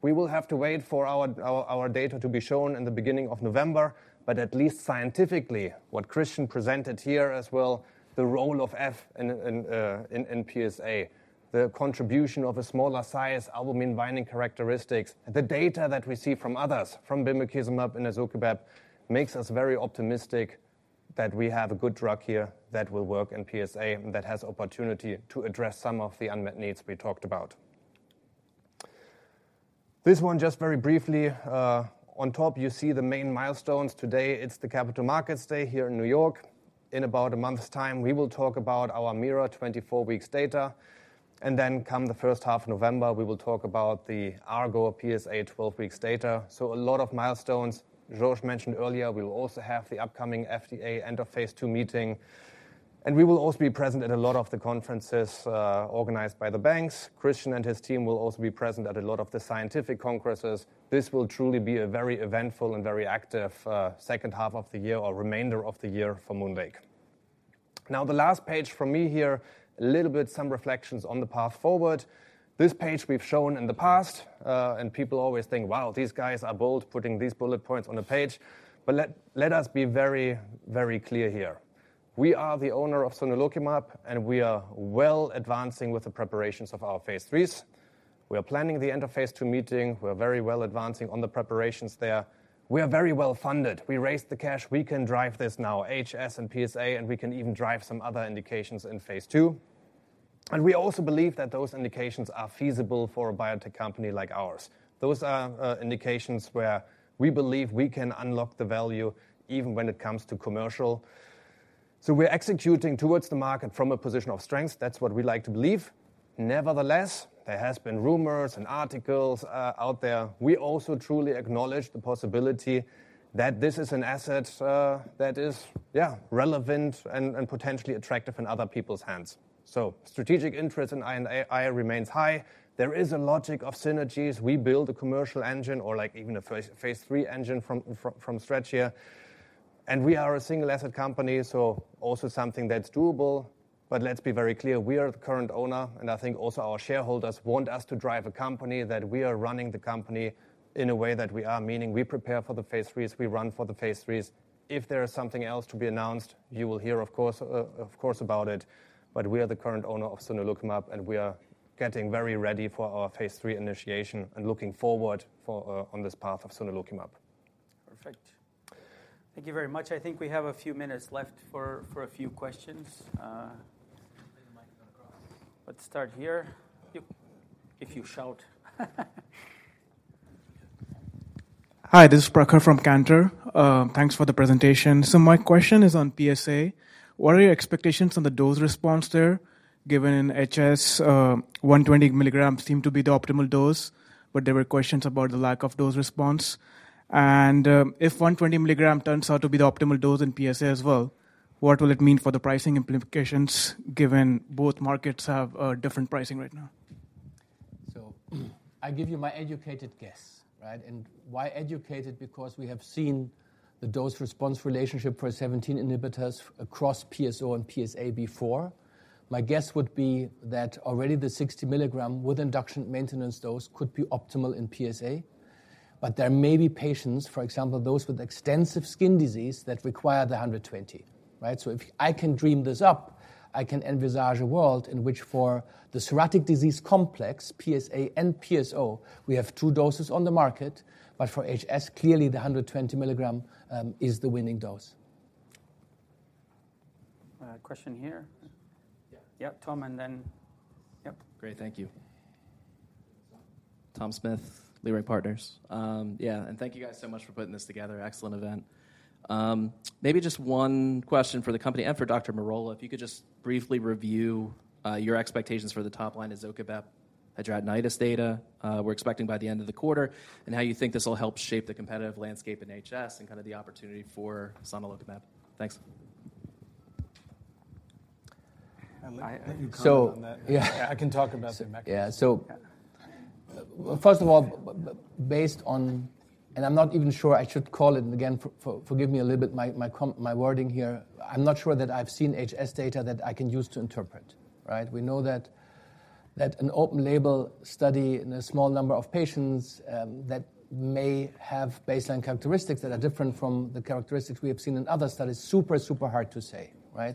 Speaker 4: we will have to wait for our data to be shown in the beginning of November. But at least scientifically, what Kristian presented here as well, the role of F in PsA, the contribution of a smaller size albumin binding characteristics, the data that we see from others, from bimekizumab and izokibep, makes us very optimistic that we have a good drug here that will work in PsA, and that has opportunity to address some of the unmet needs we talked about. This one, just very briefly, on top, you see the main milestones. Today, it's the Capital Markets Day here in New York. In about a month's time, we will talk about our MIRA 24 weeks data, and then come the first half of November, we will talk about the ARGO PsA 12 weeks data. So a lot of milestones. Jorge mentioned earlier, we will also have the upcoming FDA end-of-phase II meeting, and we will also be present at a lot of the conferences organized by the banks. Kristian and his team will also be present at a lot of the scientific congresses. This will truly be a very eventful and very active second half of the year or remainder of the year for MoonLake. Now, the last page for me here, a little bit, some reflections on the path forward. This page we've shown in the past, and people always think, "Wow, these guys are bold, putting these bullet points on a page!" But let us be very, very clear here. We are the owner of sonelokimab, and we are well advancing with the preparations of our phase IIIs. We are planning the end-of-phase II meeting. We are very well advancing on the preparations there. We are very well funded. We raised the cash. We can drive this now, HS and PsA, and we can even drive some other indications in phase II. And we also believe that those indications are feasible for a biotech company like ours. Those are, indications where we believe we can unlock the value even when it comes to commercial. So we're executing towards the market from a position of strength. That's what we like to believe. Nevertheless, there has been rumors and articles, out there. We also truly acknowledge the possibility that this is an asset, that is, yeah, relevant and, and potentially attractive in other people's hands. So strategic interest in IL-17 and IL-23 remains high. There is a logic of synergies. We build a commercial engine or, like, even a phase III engine from stretch here, and we are a single asset company, so also something that's doable. But let's be very clear, we are the current owner, and I think also our shareholders want us to drive a company that we are running the company in a way that we are, meaning we prepare for the phase IIIs, we run for the phase IIIs. If there is something else to be announced, you will hear, of course, of course, about it, but we are the current owner of sonelokimab, and we are getting very ready for our phase III initiation and looking forward for on this path of sonelokimab.
Speaker 1: Perfect. Thank you very much. I think we have a few minutes left for a few questions.
Speaker 3: Bring the mic across.
Speaker 1: Let's start here. You, if you shout.
Speaker 5: Hi, this is Prakhar from Cantor. Thanks for the presentation. So my question is on PsA. What are your expectations on the dose response there, given HS, 120 mg seem to be the optimal dose, but there were questions about the lack of dose response? And, if 120 mg turns out to be the optimal dose in PsA as well, what will it mean for the pricing implications, given both markets have, different pricing right now?
Speaker 3: So I give you my educated guess, right? And why educated? Because we have seen the dose response relationship for 17 inhibitors across PsO and PsA before. My guess would be that already the 60 mg with induction maintenance dose could be optimal in PsA, but there may be patients, for example, those with extensive skin disease, that require the 120 mg, right? So if I can dream this up, I can envisage a world in which for the psoriatic disease complex, PsA and PsO, we have two doses on the market, but for HS, clearly the 120 mg is the winning dose.
Speaker 1: Question here. Yeah. Yeah, Tom, and then... Yep.
Speaker 6: Great, thank you. Tom Smith, Leerink Partners. Yeah, and thank you guys so much for putting this together. Excellent event. Maybe just one question for the company and for Dr. Merola. If you could just briefly review, your expectations for the top line ozoralizumab hidradenitis data, we're expecting by the end of the quarter, and how you think this will help shape the competitive landscape in HS and kind of the opportunity for sonelokimab? Thanks.
Speaker 1: I'll let you comment on that.
Speaker 3: So, yeah.
Speaker 1: I can talk about the mechanism.
Speaker 3: Yeah. So-
Speaker 1: Yeah...
Speaker 3: first of all, based on, and I'm not even sure I should call it, and again, forgive me a little bit, my wording here. I'm not sure that I've seen HS data that I can use to interpret, right? We know that-... that an open-label study in a small number of patients, that may have baseline characteristics that are different from the characteristics we have seen in other studies, super, super hard to say, right?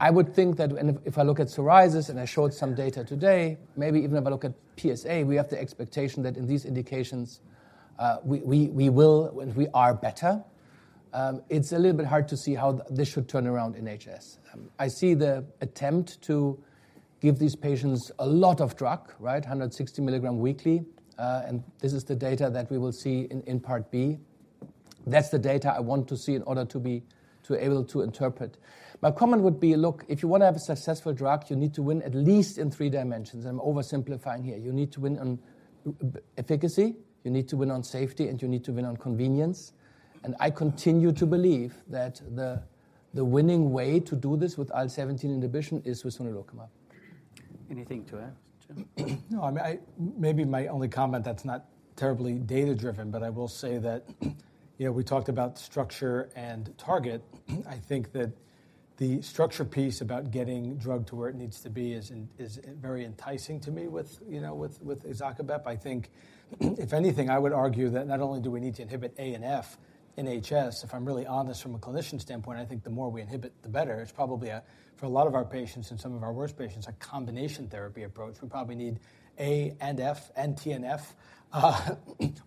Speaker 3: I would think that if I look at psoriasis, and I showed some data today, maybe even if I look at PsA, we have the expectation that in these indications, we will, and we are better. It's a little bit hard to see how this should turn around in HS. I see the attempt to give these patients a lot of drug, right? 160 mg weekly, and this is the data that we will see in part B. That's the data I want to see in order to be able to interpret. My comment would be, look, if you want to have a successful drug, you need to win at least in three dimensions. I'm oversimplifying here. You need to win on efficacy, you need to win on safety, and you need to win on convenience. And I continue to believe that the winning way to do this with IL-17 inhibition is with sonelokimab.
Speaker 1: Anything to add, Joe?
Speaker 2: No, I mean, maybe my only comment that's not terribly data-driven, but I will say that, you know, we talked about structure and target. I think that the structure piece about getting drug to where it needs to be is very enticing to me with, you know, izokibep. I think, if anything, I would argue that not only do we need to inhibit A and F in HS, if I'm really honest from a clinician standpoint, I think the more we inhibit, the better. It's probably a, for a lot of our patients and some of our worst patients, a combination therapy approach. We probably need A and F and TNF,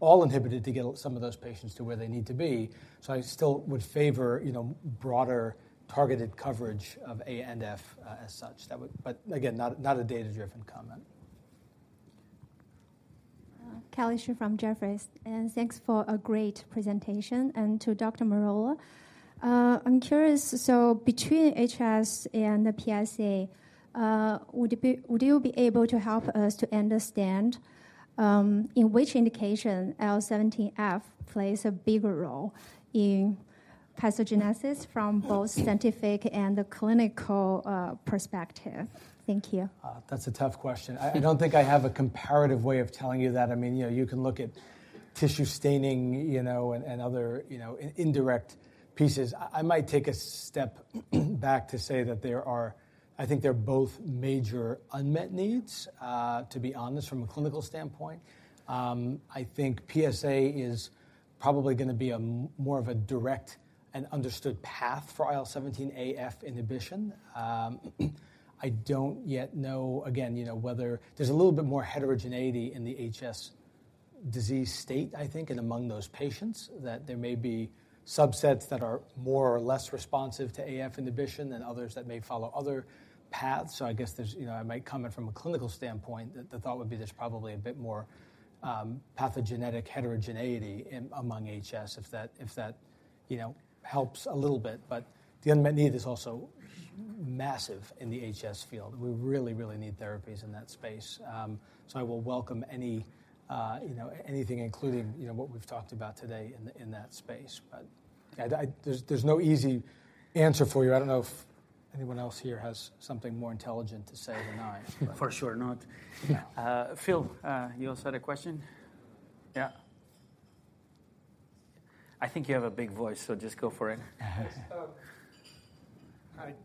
Speaker 2: all inhibited to get some of those patients to where they need to be. So I still would favor, you know, broader targeted coverage of A and F, as such. That would... Again, not a data-driven comment.
Speaker 7: Kelly Shi from Jefferies, and thanks for a great presentation. To Dr. Merola, I'm curious, so between HS and the PsA, would you be able to help us to understand in which indication IL-17F plays a bigger role in pathogenesis from both scientific and the clinical perspective? Thank you.
Speaker 2: That's a tough question. I don't think I have a comparative way of telling you that. I mean, you know, you can look at tissue staining, you know, and other indirect pieces. I might take a step back to say that there are-- I think they're both major unmet needs, to be honest, from a clinical standpoint. I think PsA is probably gonna be a more of a direct and understood path for IL-17A/F inhibition. I don't yet know, again, you know, whether... There's a little bit more heterogeneity in the HS disease state, I think, and among those patients, that there may be subsets that are more or less responsive to A/F inhibition than others that may follow other paths. So I guess there's, you know, I might come in from a clinical standpoint, that the thought would be there's probably a bit more pathogenetic heterogeneity in, among HS, if that, you know, helps a little bit. But the unmet need is also massive in the HS field. We really, really need therapies in that space. So I will welcome any, you know, anything including, you know, what we've talked about today in that space. But I... There's no easy answer for you. I don't know if anyone else here has something more intelligent to say than I.
Speaker 1: For sure not.
Speaker 2: Yeah.
Speaker 1: Phil, you also had a question? Yeah. I think you have a big voice, so just go for it.
Speaker 8: Yes. Hi,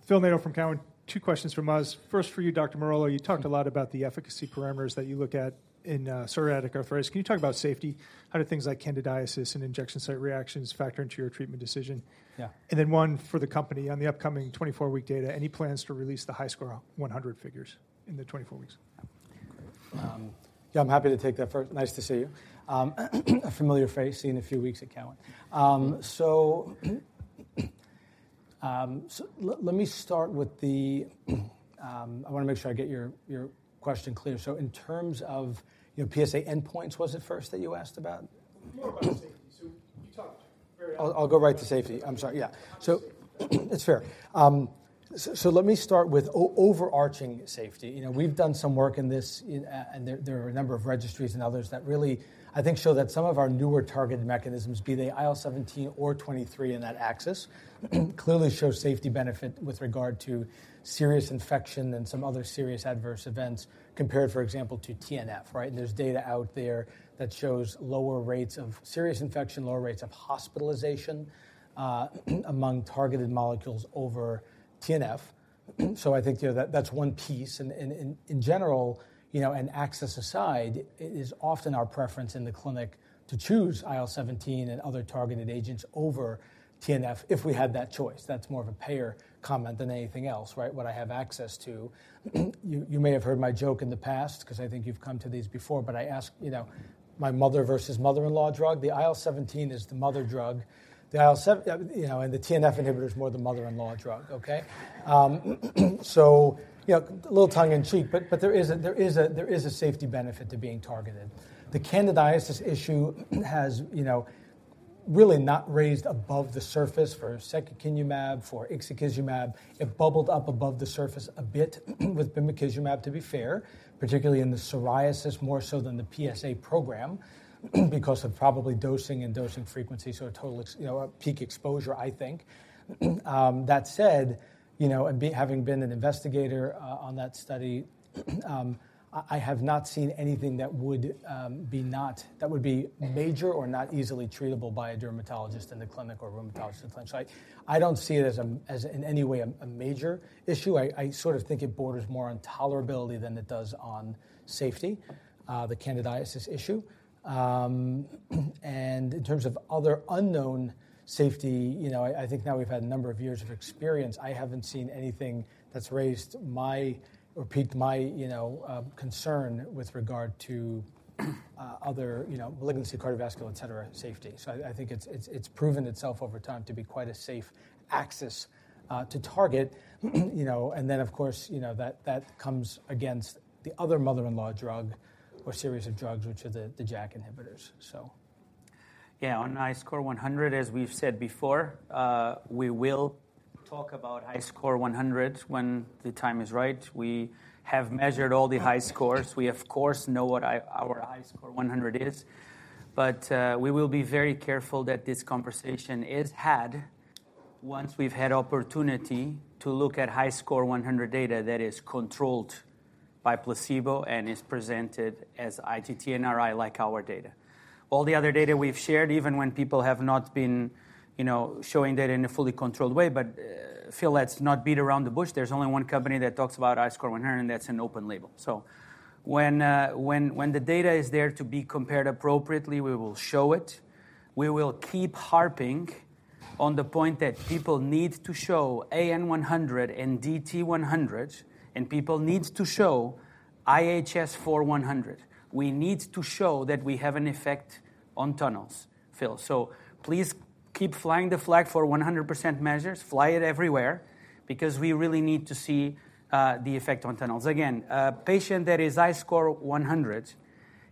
Speaker 8: Phil Nadeau from Cowen. Two questions from us. First, for you, Dr. Merola, you talked a lot about the efficacy parameters that you look at in psoriatic arthritis. Can you talk about safety? How do things like candidiasis and injection site reactions factor into your treatment decision?
Speaker 2: Yeah.
Speaker 8: Then one for the company. On the upcoming 24-week data, any plans to release the HiSCR100 figures in the 24 weeks?
Speaker 2: Yeah, I'm happy to take that first. Nice to see you. A familiar face seen a few weeks at Cowen. So let me start with the... I wanna make sure I get your question clear. So in terms of, you know, PsA endpoints, was it first that you asked about?
Speaker 8: More about safety. So you talked very-
Speaker 2: I'll go right to safety. I'm sorry. Yeah.
Speaker 8: Obviously.
Speaker 2: It's fair. So let me start with overarching safety. You know, we've done some work in this. And there are a number of registries and others that really, I think, show that some of our newer targeted mechanisms, be they IL-17 or IL-23 in that axis, clearly show safety benefit with regard to serious infection and some other serious adverse events compared, for example, to TNF, right? There's data out there that shows lower rates of serious infection, lower rates of hospitalization among targeted molecules over TNF. So I think, you know, that that's one piece, and in general, you know, and access aside, it is often our preference in the clinic to choose IL-17 and other targeted agents over TNF if we had that choice. That's more of a payer comment than anything else, right? What I have access to. You may have heard my joke in the past, 'cause I think you've come to these before, but I ask, you know, my mother versus mother-in-law drug. The IL-17 is the mother drug, the IL-17, you know, and the TNF inhibitor is more the mother-in-law drug. Okay? So, you know, a little tongue in cheek, but there is a safety benefit to being targeted. The candidiasis issue, you know, really has not raised above the surface for secukinumab, for ixekizumab. It bubbled up above the surface a bit with bimekizumab, to be fair, particularly in the psoriasis, more so than the PsA program, because of probably dosing and dosing frequency, so a total, you know, a peak exposure, I think. That said, you know, and having been an investigator on that study, I have not seen anything that would be not—that would be major or not easily treatable by a dermatologist in the clinic or rheumatologist in the clinic. So I don't see it as, as in any way, a major issue. I sort of think it borders more on tolerability than it does on safety, the candidiasis issue. And in terms of other unknown safety, you know, I think now we've had a number of years of experience. I haven't seen anything that's raised my... or piqued my, you know, concern with regard to, other, you know, malignancy, cardiovascular, et cetera, safety. So I think it's proven itself over time to be quite a safe axis to target. You know, and then, of course, you know, that, that comes against the other mother-in-law drug or series of drugs, which are the, the JAK inhibitors, so.
Speaker 1: Yeah, on HiSCR100, as we've said before, we will talk about HiSCR100 when the time is right. We have measured all the HiSCRs. We, of course, know what our HiSCR100 is. But, we will be very careful that this conversation is had once we've had opportunity to look at HiSCR100 data that is controlled by placebo and is presented as ITT-NRI, like our data. All the other data we've shared, even when people have not been, you know, showing data in a fully controlled way, but, Phil, let's not beat around the bush. There's only one company that talks about HiSCR100, and that's an open label. So when the data is there to be compared appropriately, we will show it. We will keep harping on the point that people need to show AN 100 and DT 100, and people need to show IHS4 100. We need to show that we have an effect on tunnels, Phil. So please keep flying the flag for 100% measures. Fly it everywhere, because we really need to see the effect on tunnels. Again, a patient that is HiSCR100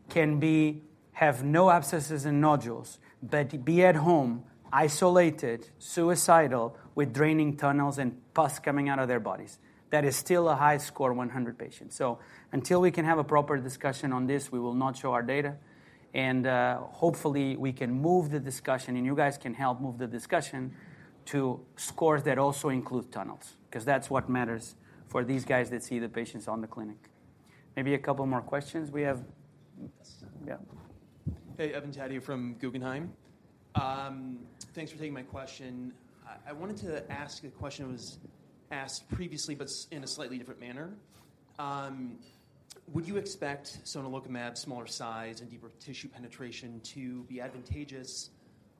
Speaker 1: can be have no abscesses and nodules, but be at home, isolated, suicidal, with draining tunnels and pus coming out of their bodies. That is still a HiSCR100 patient. So until we can have a proper discussion on this, we will not show our data. Hopefully, we can move the discussion, and you guys can help move the discussion to scores that also include tunnels, 'cause that's what matters for these guys that see the patients on the clinic. Maybe a couple more questions we have?
Speaker 9: Yes.
Speaker 1: Yeah.
Speaker 9: Hey, [Evan Wang] from Guggenheim. Thanks for taking my question. I wanted to ask a question that was asked previously, but in a slightly different manner. Would you expect sonelokimab, smaller size and deeper tissue penetration, to be advantageous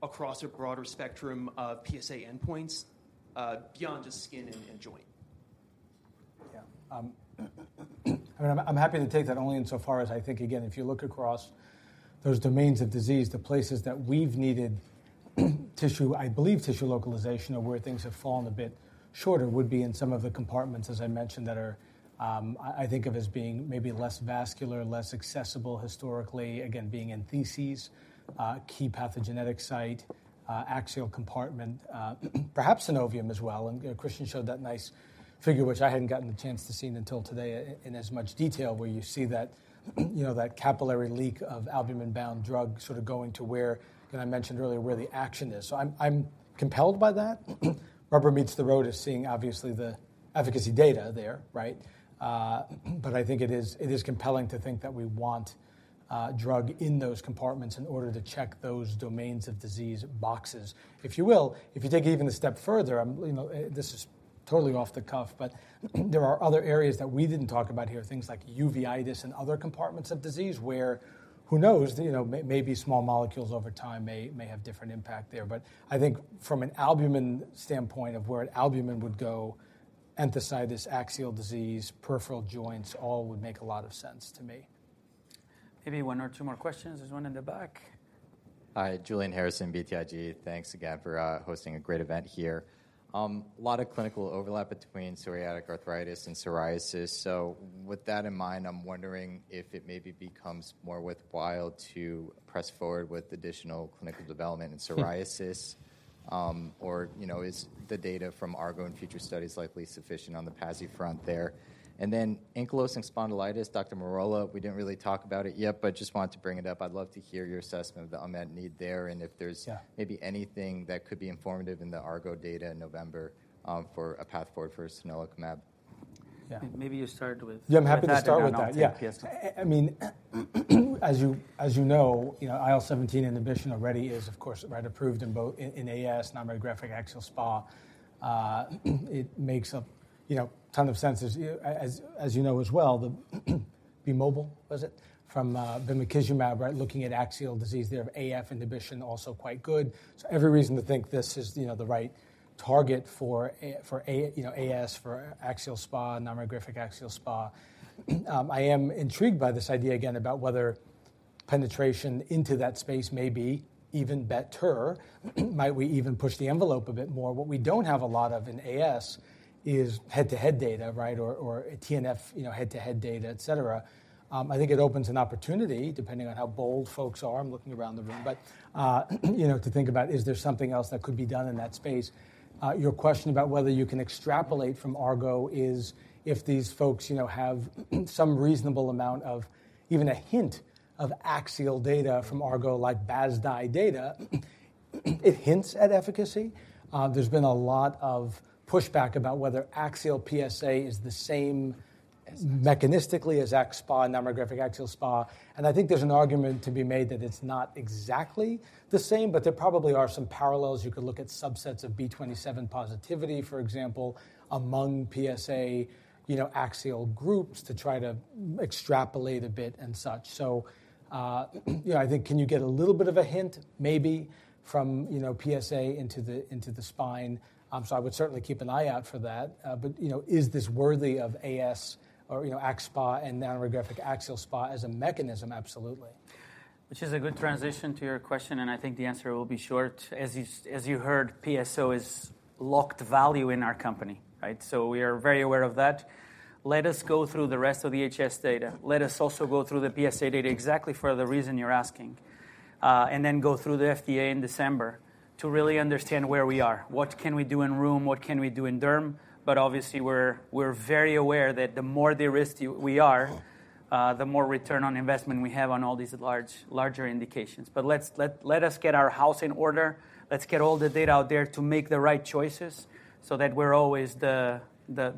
Speaker 9: across a broader spectrum of PsA endpoints, beyond just skin and joint?
Speaker 2: Yeah. I mean, I'm happy to take that only insofar as I think, again, if you look across those domains of disease, the places that we've needed tissue... I believe tissue localization are where things have fallen a bit shorter, would be in some of the compartments, as I mentioned, that are, I think of as being maybe less vascular, less accessible historically, again, being in entheses, key pathogenetic site, axial compartment, perhaps synovium as well. And, you know, Kristian showed that nice figure, which I hadn't gotten the chance to see until today in as much detail, where you see that, you know, that capillary leak of albumin-bound drug sort of going to where... and I mentioned earlier, where the action is. So I'm compelled by that. Rubber meets the road is seeing obviously the efficacy data there, right? But I think it is, it is compelling to think that we want a drug in those compartments in order to check those domains of disease boxes. If you will, if you take it even a step further, you know, this is totally off the cuff, but there are other areas that we didn't talk about here, things like uveitis and other compartments of disease, where, who knows? You know, maybe small molecules over time may, may have different impact there. But I think from an albumin standpoint of where an albumin would go, enthesitis, axial disease, peripheral joints, all would make a lot of sense to me.
Speaker 1: Maybe one or two more questions. There's one in the back.
Speaker 10: Hi, Julian Harrison, BTIG. Thanks again for hosting a great event here. A lot of clinical overlap between psoriatic arthritis and psoriasis. So with that in mind, I'm wondering if it maybe becomes more worthwhile to press forward with additional clinical development in psoriasis. Or, you know, is the data from ARGO and future studies likely sufficient on the PASI front there? And then ankylosing spondylitis, Dr. Merola, we didn't really talk about it yet, but just wanted to bring it up. I'd love to hear your assessment on that need there, and if there's-
Speaker 2: Yeah...
Speaker 10: maybe anything that could be informative in the ARGO data in November, for a path forward for sonelokimab.
Speaker 1: Yeah. Maybe you start with-
Speaker 2: Yeah, I'm happy to start with that.
Speaker 1: Yeah.
Speaker 2: I mean, as you, as you know, you know, IL-17 inhibition already is, of course, right, approved in both, in, in AS, non-radiographic axial SpA. It makes a, you know, ton of sense as you... As, as you know as well, the BE MOBILE, was it? From bimekizumab, right, looking at axial disease there, IL-17A/F inhibition also quite good. So every reason to think this is, you know, the right target for a, for A, you know, AS, for axial SpA, non-radiographic axial SpA. I am intrigued by this idea again, about whether penetration into that space may be even better. Might we even push the envelope a bit more? What we don't have a lot of in AS is head-to-head data, right? Or a TNF, you know, head-to-head data, et cetera. I think it opens an opportunity, depending on how bold folks are. I'm looking around the room, but, you know, to think about, is there something else that could be done in that space? Your question about whether you can extrapolate from ARGO is if these folks, you know, have some reasonable amount of even a hint of axial data from ARGO, like BASDAI data. It hints at efficacy. There's been a lot of pushback about whether axial PsA is the same mechanistically as axSpA, demographic axial SpA. And I think there's an argument to be made that it's not exactly the same, but there probably are some parallels. You could look at subsets of B27 positivity, for example, among PsA, you know, axial groups to try to extrapolate a bit and such. So, you know, I think, can you get a little bit of a hint? Maybe from, you know, PsA into the, into the spine. So I would certainly keep an eye out for that. But, you know, is this worthy of AS or, you know, axSpA and non-radiographic axial SpA as a mechanism? Absolutely.
Speaker 1: Which is a good transition to your question, and I think the answer will be short. As you heard, PsO is locked value in our company, right? So we are very aware of that. Let us go through the rest of the HS data. Let us also go through the PsA data exactly for the reason you're asking, and then go through the FDA in December to really understand where we are, what can we do in rheum, what can we do in derm? But obviously, we're very aware that the more de-risked we are, the more return on investment we have on all these large, larger indications. But let's let us get our house in order. Let's get all the data out there to make the right choices so that we're always the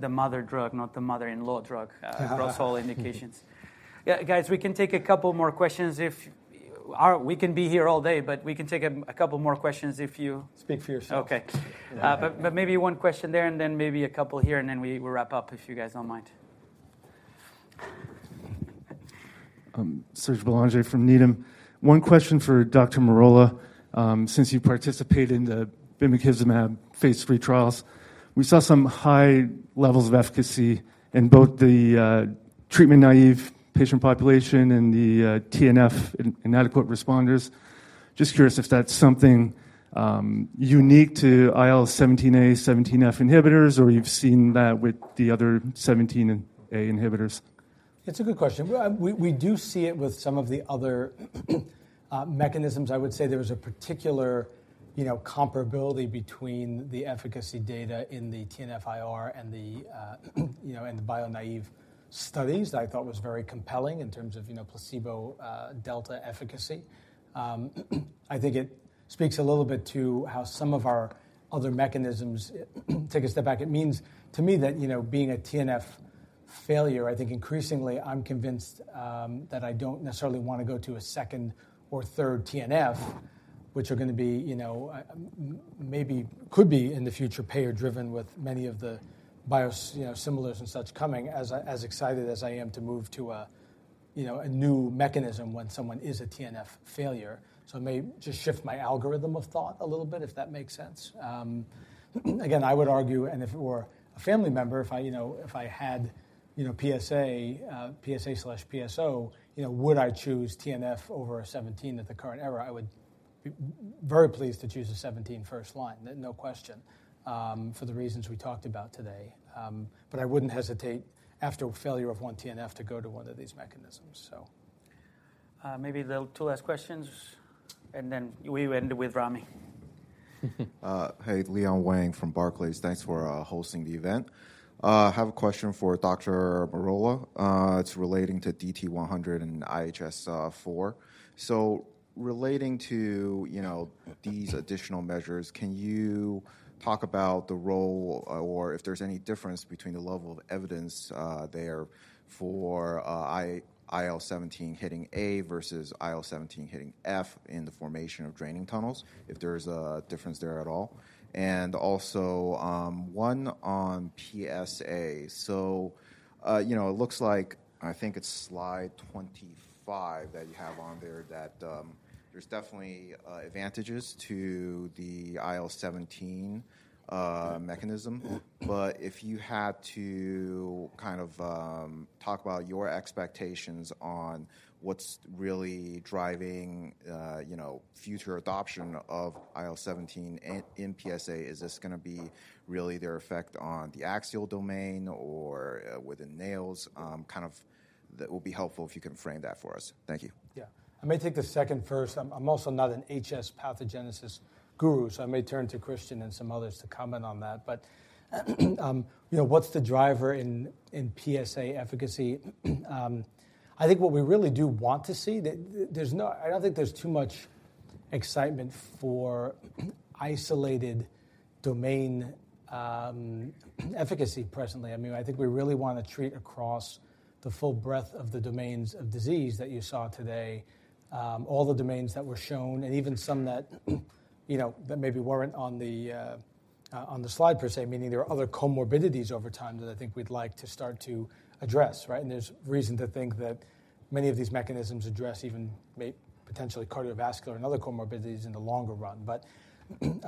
Speaker 1: mother drug, not the mother-in-law drug, across all indications. Yeah, guys, we can take a couple more questions if... We can be here all day, but we can take a couple more questions if you-
Speaker 2: Speak for yourself.
Speaker 1: Okay.
Speaker 2: Yeah.
Speaker 1: But maybe one question there, and then maybe a couple here, and then we'll wrap up, if you guys don't mind.
Speaker 11: Serge Belanger from Needham. One question for Dr. Merola. Since you participate in the bimekizumab phase III trials, we saw some high levels of efficacy in both the treatment-naive patient population and the TNF inadequate responders. Just curious if that's something unique to IL-17A, IL-17F inhibitors, or you've seen that with the other IL-17A inhibitors?
Speaker 2: It's a good question. Well, we do see it with some of the other mechanisms. I would say there was a particular, you know, comparability between the efficacy data in the TNFi-IR and the, you know, and the bio-naïve studies that I thought was very compelling in terms of, you know, placebo delta efficacy. I think it speaks a little bit to how some of our other mechanisms, take a step back. It means to me that, you know, being a TNF failure, I think increasingly I'm convinced that I don't necessarily want to go to a second or third TNF, which are gonna be, you know, maybe could be in the future payer-driven with many of the biosimilars and such coming, as excited as I am to move to a, you know, a new mechanism when someone is a TNF failure. So I may just shift my algorithm of thought a little bit, if that makes sense. Again, I would argue, and if it were a family member, if I, you know, if I had, you know, PsA, PsA/PsO, you know, would I choose TNF over an IL-17 at the current era? I would be very pleased to choose an IL-17 first line. No, no question, for the reasons we talked about today. But I wouldn't hesitate after a failure of one TNF to go to one of these mechanisms, so...
Speaker 1: Maybe the two last questions, and then we end with Ramy.
Speaker 12: Hey, Leon Wang from Barclays. Thanks for hosting the event. I have a question for Dr. Merola. It's relating to DT100 and IHS4. So relating to, you know, these additional measures, can you talk about the role or if there's any difference between the level of evidence there for IL-17 hitting A versus IL-17 hitting F in the formation of draining tunnels, if there is a difference there at all? And also, one on PsA. So, you know, it looks like I think it's slide 25 that you have on there, that there's definitely advantages to the IL-17 mechanism. But if you had to kind of talk about your expectations on what's really driving, you know, future adoption of IL-17 in PsA, is this gonna be really their effect on the axial domain or within nails? Kind of, that will be helpful if you can frame that for us. Thank you.
Speaker 2: Yeah. I may take the second first. I'm also not an HS pathogenesis guru, so I may turn to Kristian and some others to comment on that. But, you know, what's the driver in PsA efficacy? I think what we really do want to see, there's no—I don't think there's too much excitement for isolated domain efficacy presently. I mean, I think we really want to treat across the full breadth of the domains of disease that you saw today. All the domains that were shown, and even some that, you know, that maybe weren't on the slide per se, meaning there are other comorbidities over time that I think we'd like to start to address, right? There's reason to think that many of these mechanisms address even may potentially cardiovascular and other comorbidities in the longer run. But, you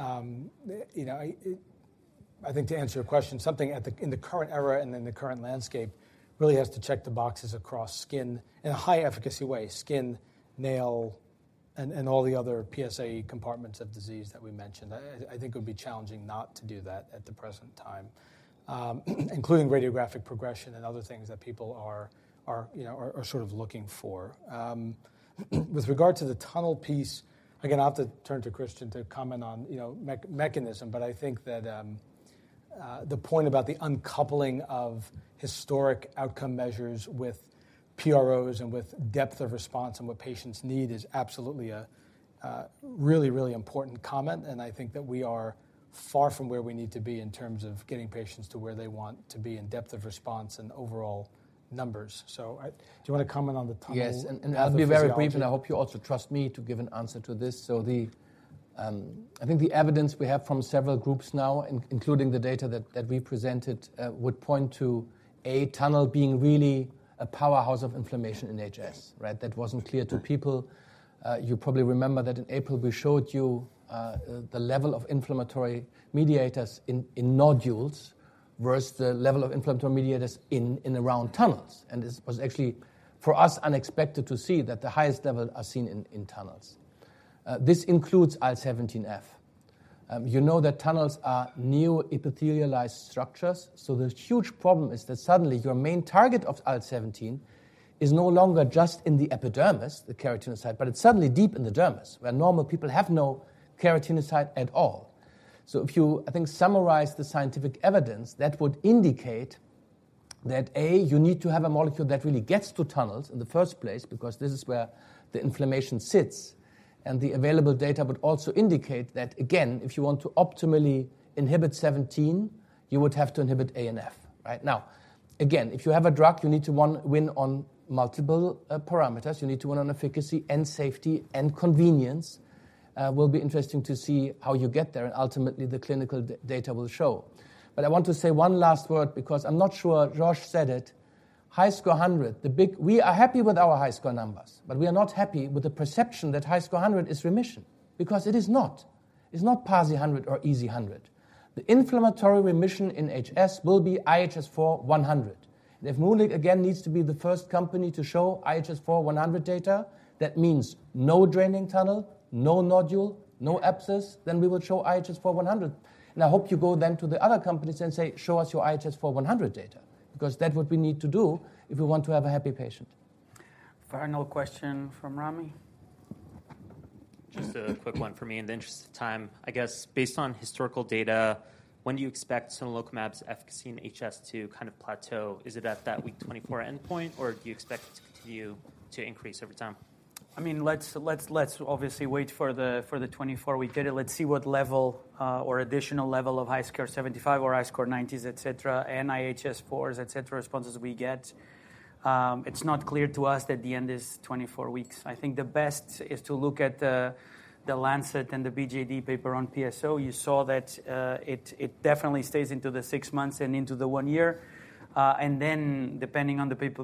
Speaker 2: know, it.... I think to answer your question, something in the current era and in the current landscape really has to check the boxes across skin in a high efficacy way. Skin, nail, and all the other PsA compartments of disease that we mentioned. I think it would be challenging not to do that at the present time, including radiographic progression and other things that people are, you know, sort of looking for. With regard to the tunnel piece, again, I'll have to turn to Kristian to comment on, you know, mechanism. But I think that the point about the uncoupling of historic outcome measures with PROs and with depth of response and what patients need is absolutely a really, really important comment. I think that we are far from where we need to be in terms of getting patients to where they want to be in depth of response and overall numbers. So I— Do you wanna comment on the tunnel-
Speaker 3: Yes, and I'll be very brief, and I hope you also trust me to give an answer to this. So I think the evidence we have from several groups now, including the data that we presented, would point to a tunnel being really a powerhouse of inflammation in HS, right? That wasn't clear to people. You probably remember that in April, we showed you the level of inflammatory mediators in nodules versus the level of inflammatory mediators in around tunnels, and this was actually, for us, unexpected to see that the highest level are seen in tunnels. This includes IL-17F. You know that tunnels are new epithelialized structures, so the huge problem is that suddenly your main target of IL-17 is no longer just in the epidermis, the keratinocyte, but it's suddenly deep in the dermis, where normal people have no keratinocyte at all. So if you, I think, summarize the scientific evidence, that would indicate that, A, you need to have a molecule that really gets to tunnels in the first place because this is where the inflammation sits. And the available data would also indicate that, again, if you want to optimally inhibit 17, you would have to inhibit A and F, right? Now, again, if you have a drug, you need to win on multiple parameters. You need to win on efficacy and safety, and convenience. Will be interesting to see how you get there, and ultimately, the clinical data will show. But I want to say one last word because I'm not sure Jorge said it. HiSCR100. We are happy with our HiSCR numbers, but we are not happy with the perception that HiSCR100 is remission, because it is not. It's not PASI 100 or EASI 100. The inflammatory remission in HS will be IHS4 100. And if MoonLake again needs to be the first company to show IHS4 100 data, that means no draining tunnel, no nodule, no abscess, then we will show IHS4 100. And I hope you go then to the other companies and say: "Show us your IHS4 100 data," because that's what we need to do if we want to have a happy patient.
Speaker 1: Final question from Ramy.
Speaker 13: Just a quick one for me in the interest of time. I guess, based on historical data, when do you expect sonelokimab's efficacy in HS to kind of plateau? Is it at that week 24 endpoint, or do you expect it to continue to increase over time?
Speaker 1: I mean, let's obviously wait for the 24-week data. Let's see what level or additional level of HiSCR75 or HiSCR90s, et cetera, and IHS4s, et cetera, responses we get. It's not clear to us that the end is 24 weeks. I think the best is to look at The Lancet and the BJD paper on PsO. You saw that, it definitely stays into the 6 months and into the 1 year. And then depending on the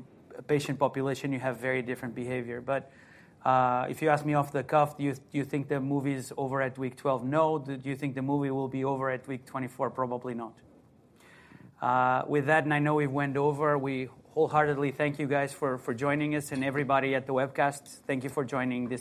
Speaker 1: patient population, you have very different behavior. But if you ask me off the cuff, do you think the movie's over at week 12? No. Do you think the movie will be over at week 24? Probably not. With that, and I know we've went over, we wholeheartedly thank you guys for, for joining us and everybody at the webcast. Thank you for joining this-